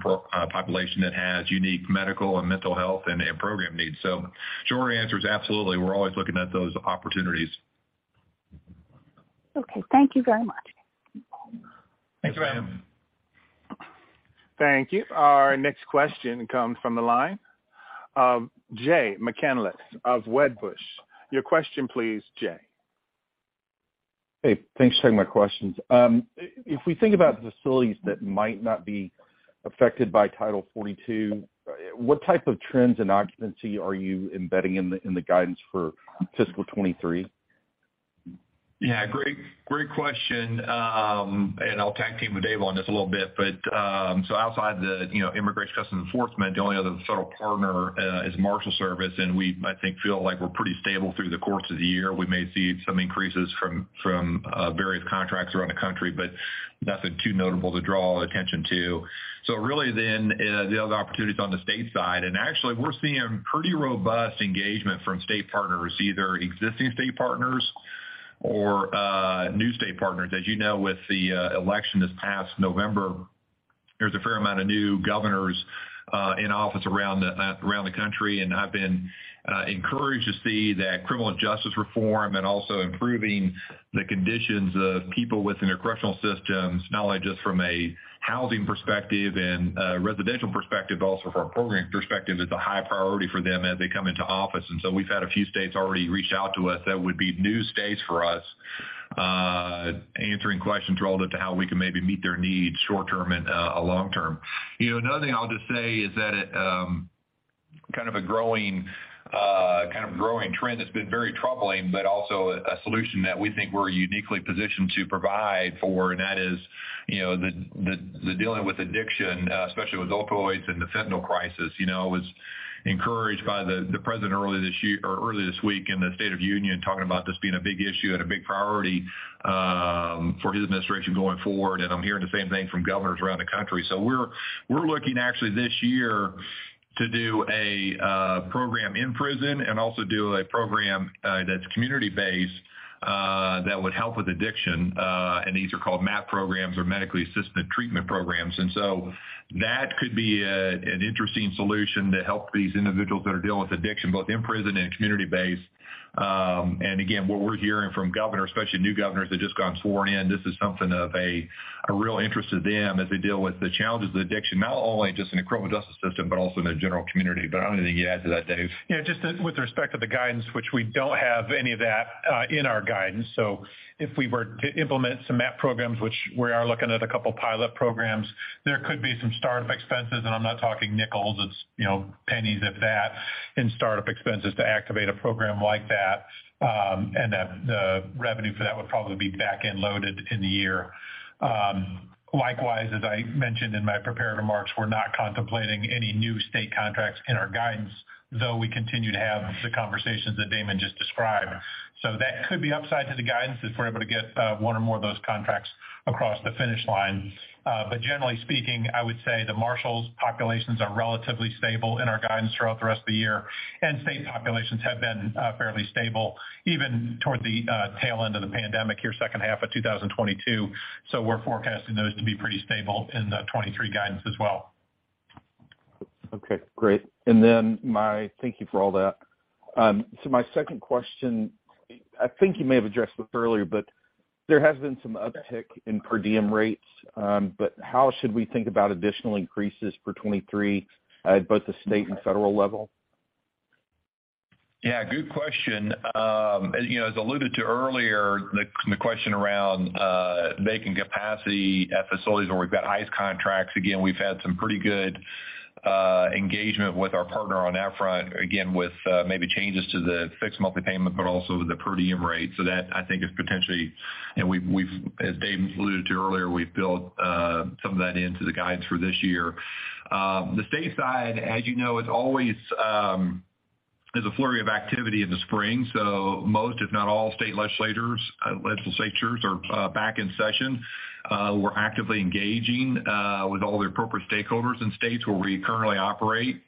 population that has unique medical and mental health and program needs. Short answer is absolutely, we're always looking at those opportunities. Okay. Thank you very much. Thanks, ma'am. Thank you, ma'am. Thank you. Our next question comes from the line of Jay McCanless of Wedbush. Your question please, Jay. Thanks for taking my questions. If we think about facilities that might not be affected by Title 42, what type of trends in occupancy are you embedding in the guidance for fiscal 2023? Yeah, great question. I'll tag team with Dave on this a little bit. Outside the, you know, Immigration and Customs Enforcement, the only other federal partner is United States Marshals Service, and we, I think, feel like we're pretty stable through the course of the year. We may see some increases from various contracts around the country, but nothing too notable to draw attention to. Really, the other opportunity is on the state side. Actually, we're seeing pretty robust engagement from state partners, either existing state partners or new state partners. As you know, with the election this past November. There's a fair amount of new governors in office around the country, and I've been encouraged to see that criminal justice reform and also improving the conditions of people within their correctional systems, not only just from a housing perspective and a residential perspective, but also from a program perspective, it's a high priority for them as they come into office. So we've had a few states already reach out to us that would be new states for us, answering questions relative to how we can maybe meet their needs short-term and long-term. Another thing I'll just say is that, kind of a growing trend that's been very troubling, but also a solution that we think we're uniquely positioned to provide for, and that is, the dealing with addiction, especially with opioids and the fentanyl crisis. I was encouraged by the President earlier this week in the State of the Union talking about this being a big issue and a big priority for his administration going forward. I'm hearing the same thing from governors around the country. We're looking actually this year to do a program in prison and also do a program that's community-based that would help with addiction, and these are called MAT programs or medically assisted treatment programs. That could be an interesting solution to help these individuals that are dealing with addiction, both in prison and community based. Again, what we're hearing from governors, especially new governors that just got sworn in, this is something of a real interest to them as they deal with the challenges of addiction, not only just in the criminal justice system, but also in the general community. I don't have anything to add to that, Dave. Yeah, just with respect to the guidance, which we don't have any of that in our guidance. If we were to implement some MAT programs, which we are looking at a couple pilot programs, there could be some start-up expenses, and I'm not talking nickels, it's, you know, pennies at that in start-up expenses to activate a program like that. The revenue for that would probably be back-end loaded in the year. Likewise, as I mentioned in my prepared remarks, we're not contemplating any new state contracts in our guidance, though we continue to have the conversations that Damon just described. That could be upside to the guidance if we're able to get one or more of those contracts across the finish line. Generally speaking, I would say the Marshals populations are relatively stable in our guidance throughout the rest of the year, and state populations have been fairly stable even toward the tail end of the pandemic here, second half of 2022. We're forecasting those to be pretty stable in the 23 guidance as well. Okay, great. Thank you for all that. My second question, I think you may have addressed this earlier, there has been some uptick in per diem rates, how should we think about additional increases for 23 at both the state and federal level? Yeah, good question. As, you know, as alluded to earlier, the question around making capacity at facilities where we've got ICE contracts, again, we've had some pretty good engagement with our partner on that front, again, with maybe changes to the fixed monthly payment, but also the per diem rate. That, I think is potentially. We've built, as Damon's alluded to earlier, some of that into the guides for this year. The state side, as you know, is always a flurry of activity in the spring. Most, if not all state legislators, legislatures are back in session. We're actively engaging with all the appropriate stakeholders in states where we currently operate,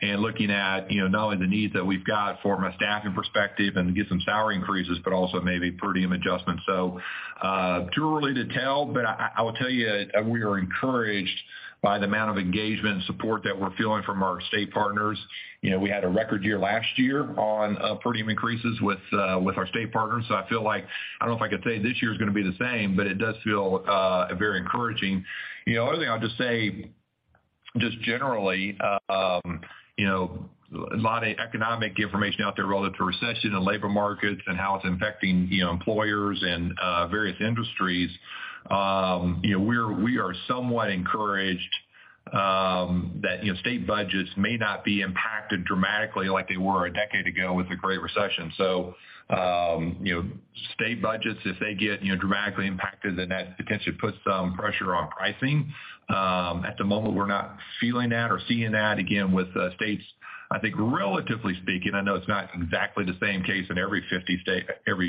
and looking at, you know, not only the needs that we've got from a staffing perspective and get some salary increases, but also maybe per diem adjustments. Too early to tell, but I, I will tell you, we are encouraged by the amount of engagement and support that we're feeling from our state partners. You know, we had a record year last year on per diem increases with our state partners. I feel like, I don't know if I could say this year's gonna be the same, but it does feel very encouraging. You know, other thing I'll just say, just generally, you know, a lot of economic information out there relative to recession and labor markets and how it's impacting, you know, employers and various industries, you know, we are somewhat encouraged, that, you know, state budgets may not be impacted dramatically like they were a decade ago with the Great Recession. You know, state budgets, if they get, you know, dramatically impacted, then that potentially puts some pressure on pricing. At the moment, we're not feeling that or seeing that, again, with the states. I think relatively speaking, I know it's not exactly the same case in every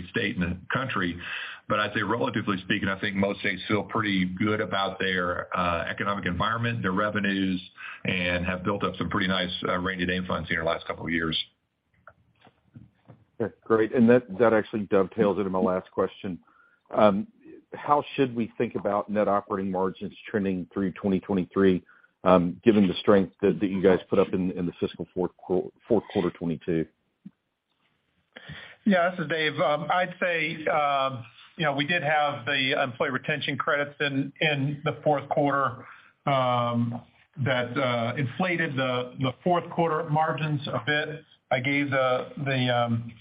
state in the country, but I'd say relatively speaking, I think most states feel pretty good about their economic environment, their revenues, and have built up some pretty nice rainy day funds here in the last couple of years. Okay, great. That actually dovetails into my last question. How should we think about net operating margins trending through 2023, given the strength that you guys put up in the fiscal fourth quarter 2022? Yeah, this is Dave. I'd say, you know, we did have the employee retention credits in the fourth quarter that inflated the fourth quarter margins a bit. I gave the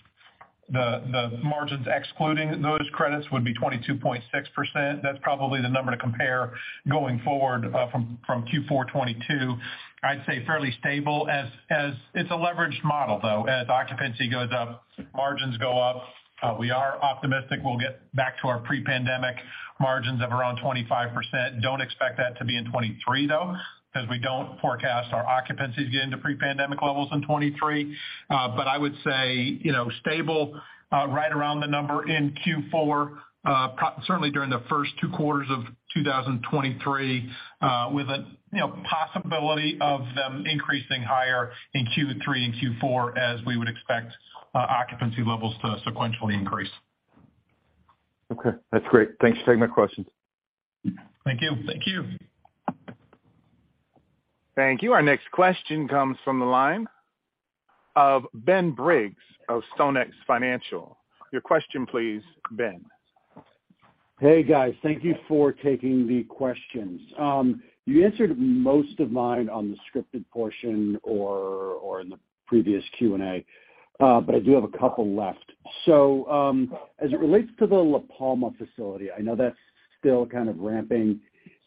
margins excluding those credits would be 22.6%. That's probably the number to compare going forward from Q4 2022. I'd say fairly stable as it's a leveraged model, though. As occupancy goes up, margins go up. We are optimistic we'll get back to our pre-pandemic margins of around 25%. Don't expect that to be in 2023, though, because we don't forecast our occupancies getting to pre-pandemic levels in 2023. I would say, you know, stable, right around the number in Q4, certainly during the first two quarters of 2023, with a, you know, possibility of them increasing higher in Q3 and Q4 as we would expect, occupancy levels to sequentially increase. Okay, that's great. Thanks for taking my questions. Thank you. Thank you. Thank you. Our next question comes from the line of Ben Briggs of StoneX Financial. Your question please, Ben. Hey, guys. Thank you for taking the questions. You answered most of mine on the scripted portion or in the previous Q&A, I do have a couple left. As it relates to the La Palma facility, I know that's still kind of ramping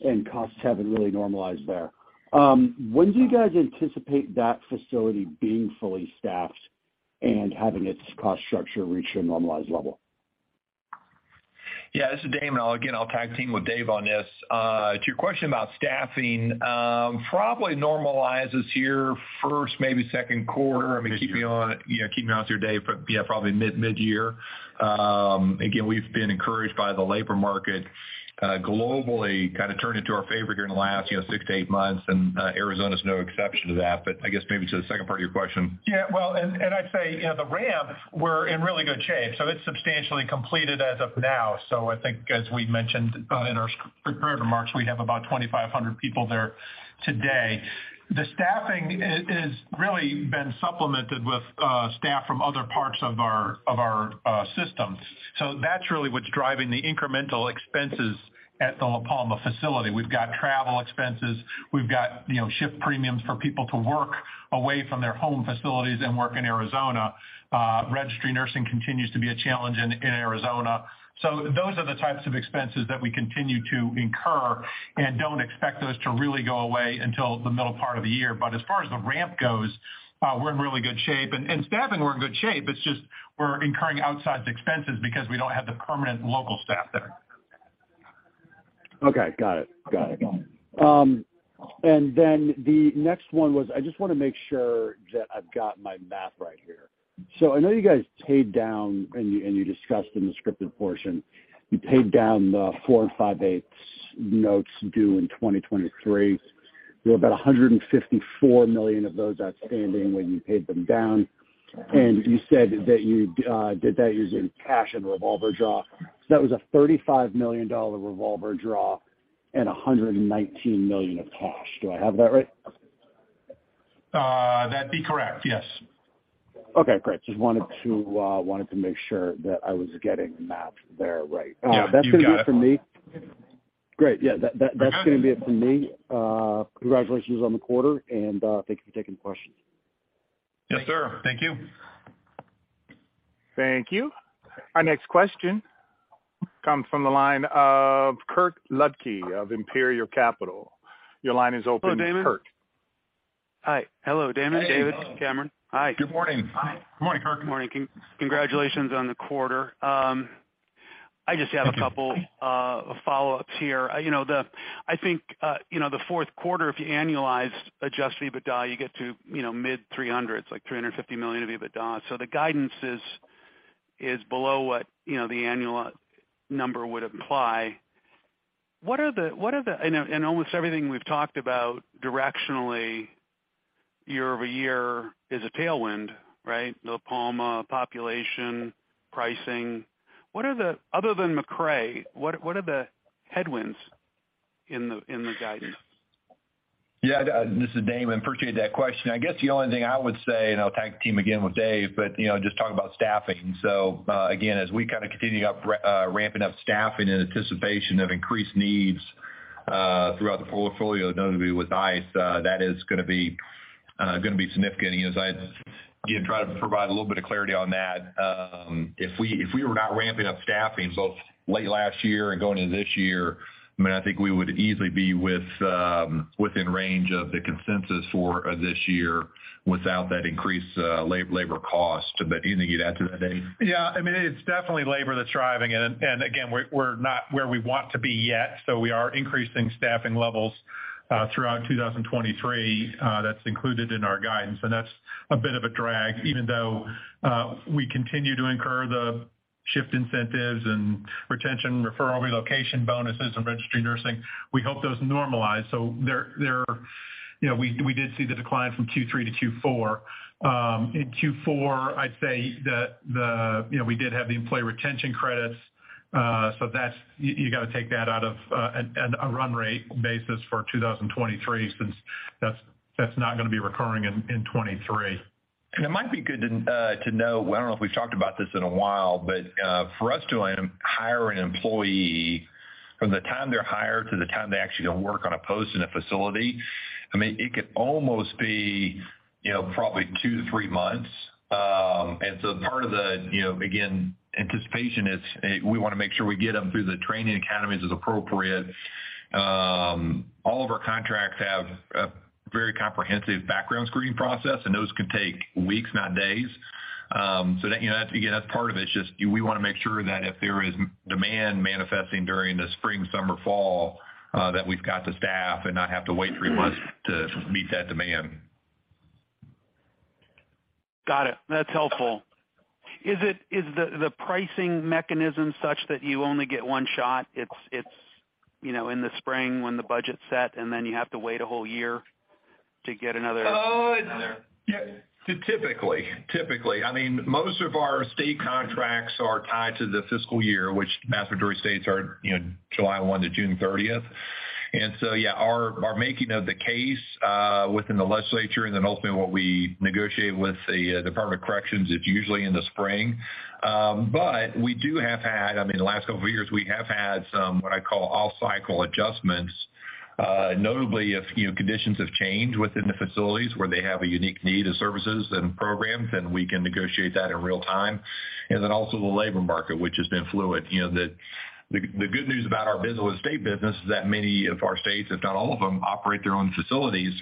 and costs haven't really normalized there. When do you guys anticipate that facility being fully staffed and having its cost structure reach a normalized level? Yeah, this is Damon. Again, I'll tag team with Dave on this. To your question about staffing, probably normalizes here first, maybe second quarter. I mean, keep me on, you know, keep me honest here, Dave, but yeah, probably mid-year. Again, we've been encouraged by the labor market, globally kinda turning to our favor here in the last, you know, six to eight months, and Arizona's no exception to that. I guess maybe to the second part of your question. Well, and I'd say, you know, the ramp, we're in really good shape, it's substantially completed as of now. I think as we mentioned, in our prepared remarks, we have about 2,500 people there today. The staffing has really been supplemented with staff from other parts of our system. That's really what's driving the incremental expenses at the La Palma facility. We've got travel expenses. We've got, you know, shift premiums for people to work away from their home facilities and work in Arizona. Registry nursing continues to be a challenge in Arizona. Those are the types of expenses that we continue to incur and don't expect those to really go away until the middle part of the year. As far as the ramp goes, we're in really good shape. Staffing, we're in good shape. It's just we're incurring outsized expenses because we don't have the permanent local staff there. Okay. Got it. Got it. The next one was, I just wanna make sure that I've got my math right here. I know you guys paid down, and you, and you discussed in the scripted portion, you paid down the four and five-eight notes due in 2023. You had about $154 million of those outstanding when you paid them down. You said that you did that using cash and revolver draw. That was a $35 million revolver draw and $119 million of cash. Do I have that right? That'd be correct, yes. Okay, great. Just wanted to make sure that I was getting the math there right. Yeah, you got it. That's gonna be it for me. Great. Yeah, that's gonna be it for me. Congratulations on the quarter, thank you for taking the questions. Yes, sir. Thank you. Thank you. Our next question comes from the line of Kirk Ludtke of Imperial Capital. Your line is open, Kirk. Hello, Damon. Hi. Hello, Damon, David, Cameron. Hey. Hi. Good morning. Hi. Good morning, Kirk. Good morning. Congratulations on the quarter. I just have a couple follow-ups here. You know, I think, you know, the fourth quarter, if you annualize adjusted EBITDA, you get to, you know, mid 300s, like $350 million of EBITDA. The guidance is below what, you know, the annual number would imply. Almost everything we've talked about directionally year-over-year is a tailwind, right? La Palma, population, pricing. What are the other than McRae, what are the headwinds in the guidance? Yeah. This is Damon. Appreciate that question. I guess the only thing I would say, and I'll tag team again with Dave, but, you know, just talking about staffing. Again, as we kind of continue ramping up staffing in anticipation of increased needs throughout the portfolio, notably with ICE, that is gonna be significant. You know, as I, you know, try to provide a little bit of clarity on that, if we, if we were not ramping up staffing both late last year and going into this year, I mean, I think we would easily be within range of the consensus for this year without that increased labor cost. Anything you'd add to that, Dave? Yeah. I mean, it's definitely labor that's driving it. Again, we're not where we want to be yet, so we are increasing staffing levels throughout 2023. That's included in our guidance, and that's a bit of a drag. Even though we continue to incur the shift incentives and retention, referral, relocation bonuses in registry nursing, we hope those normalize. They're, you know, we did see the decline from Q3 to Q4. In Q4, I'd say the, you know, we did have the employee retention credits, so that's, you gotta take that out of a run rate basis for 2023 since that's not gonna be recurring in 2023. It might be good to know, I don't know if we've talked about this in a while, but for us to hire an employee, from the time they're hired to the time they actually go work on a post in a facility, I mean, it could almost be, you know, probably 2 to 3 months. So part of the, you know, again, anticipation is, we wanna make sure we get them through the training academies as appropriate. All of our contracts have a very comprehensive background screening process, and those can take weeks, not days. So that, you know, that's, again, that's part of it. It's just we wanna make sure that if there is demand manifesting during the spring, summer, fall, that we've got the staff and not have to wait 3 months to meet that demand. Got it. That's helpful. Is the pricing mechanism such that you only get one shot? It's, you know, in the spring when the budget's set, and then you have to wait a whole year? Oh, yeah. Typically, typically. I mean, most of our state contracts are tied to the fiscal year, which majority of states are, you know, July 1 to June 30th. Yeah, our making of the case within the legislature and then ultimately what we negotiate with the Department of Corrections is usually in the spring. We have had, I mean, the last couple of years, we have had some what I call off-cycle adjustments. Notably if, you know, conditions have changed within the facilities where they have a unique need of services and programs, then we can negotiate that in real time. Also the labor market, which has been fluid. You know, the good news about our business, state business is that many of our states, if not all of them, operate their own facilities.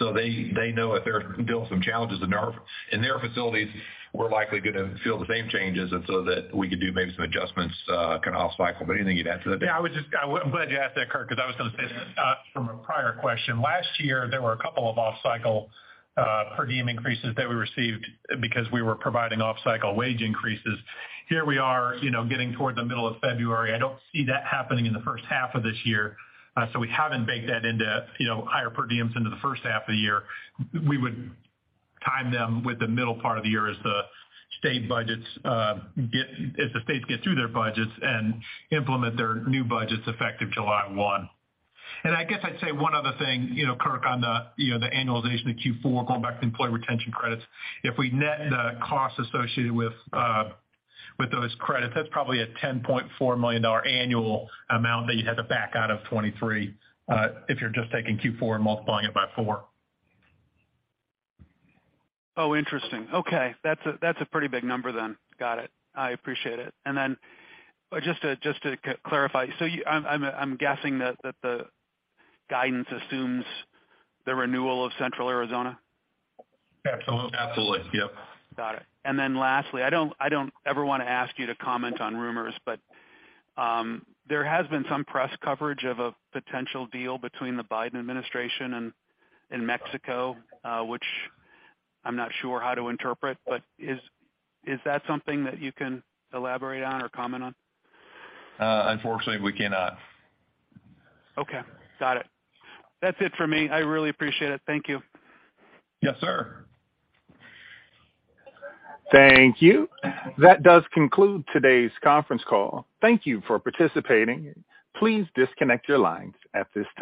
They know if they're dealing with some challenges in their facilities, we're likely gonna feel the same changes and so that we can do maybe some adjustments, kind of off cycle. Anything you'd add to that, Dave? I'm glad you asked that, Kirk, because I was gonna say this from a prior question. Last year, there were a couple of off-cycle per diem increases that we received because we were providing off-cycle wage increases. Here we are, you know, getting toward the middle of February. I don't see that happening in the first half of this year. So we haven't baked that into, you know, higher per diems into the first half of the year. We would time them with the middle part of the year as the state budgets get through their budgets and implement their new budgets effective July 1. I guess I'd say one other thing, you know, Kirk, on the, you know, the annualization of Q4, going back to employee retention credits. If we net the costs associated with those credits, that's probably a $10.4 million annual amount that you'd have to back out of 2023, if you're just taking Q4 and multiplying it by 4. Oh, interesting. Okay. That's a, that's a pretty big number then. Got it. I appreciate it. Then just to clarify, so you I'm guessing that the guidance assumes the renewal of Central Arizona? Absolutely. Absolutely. Yep. Got it. Lastly, I don't ever wanna ask you to comment on rumors, but there has been some press coverage of a potential deal between the Biden administration and Mexico, which I'm not sure how to interpret, but is that something that you can elaborate on or comment on? Unfortunately, we cannot. Okay, got it. That's it for me. I really appreciate it. Thank you. Yes, sir. Thank you. That does conclude today's conference call. Thank you for participating. Please disconnect your lines at this time.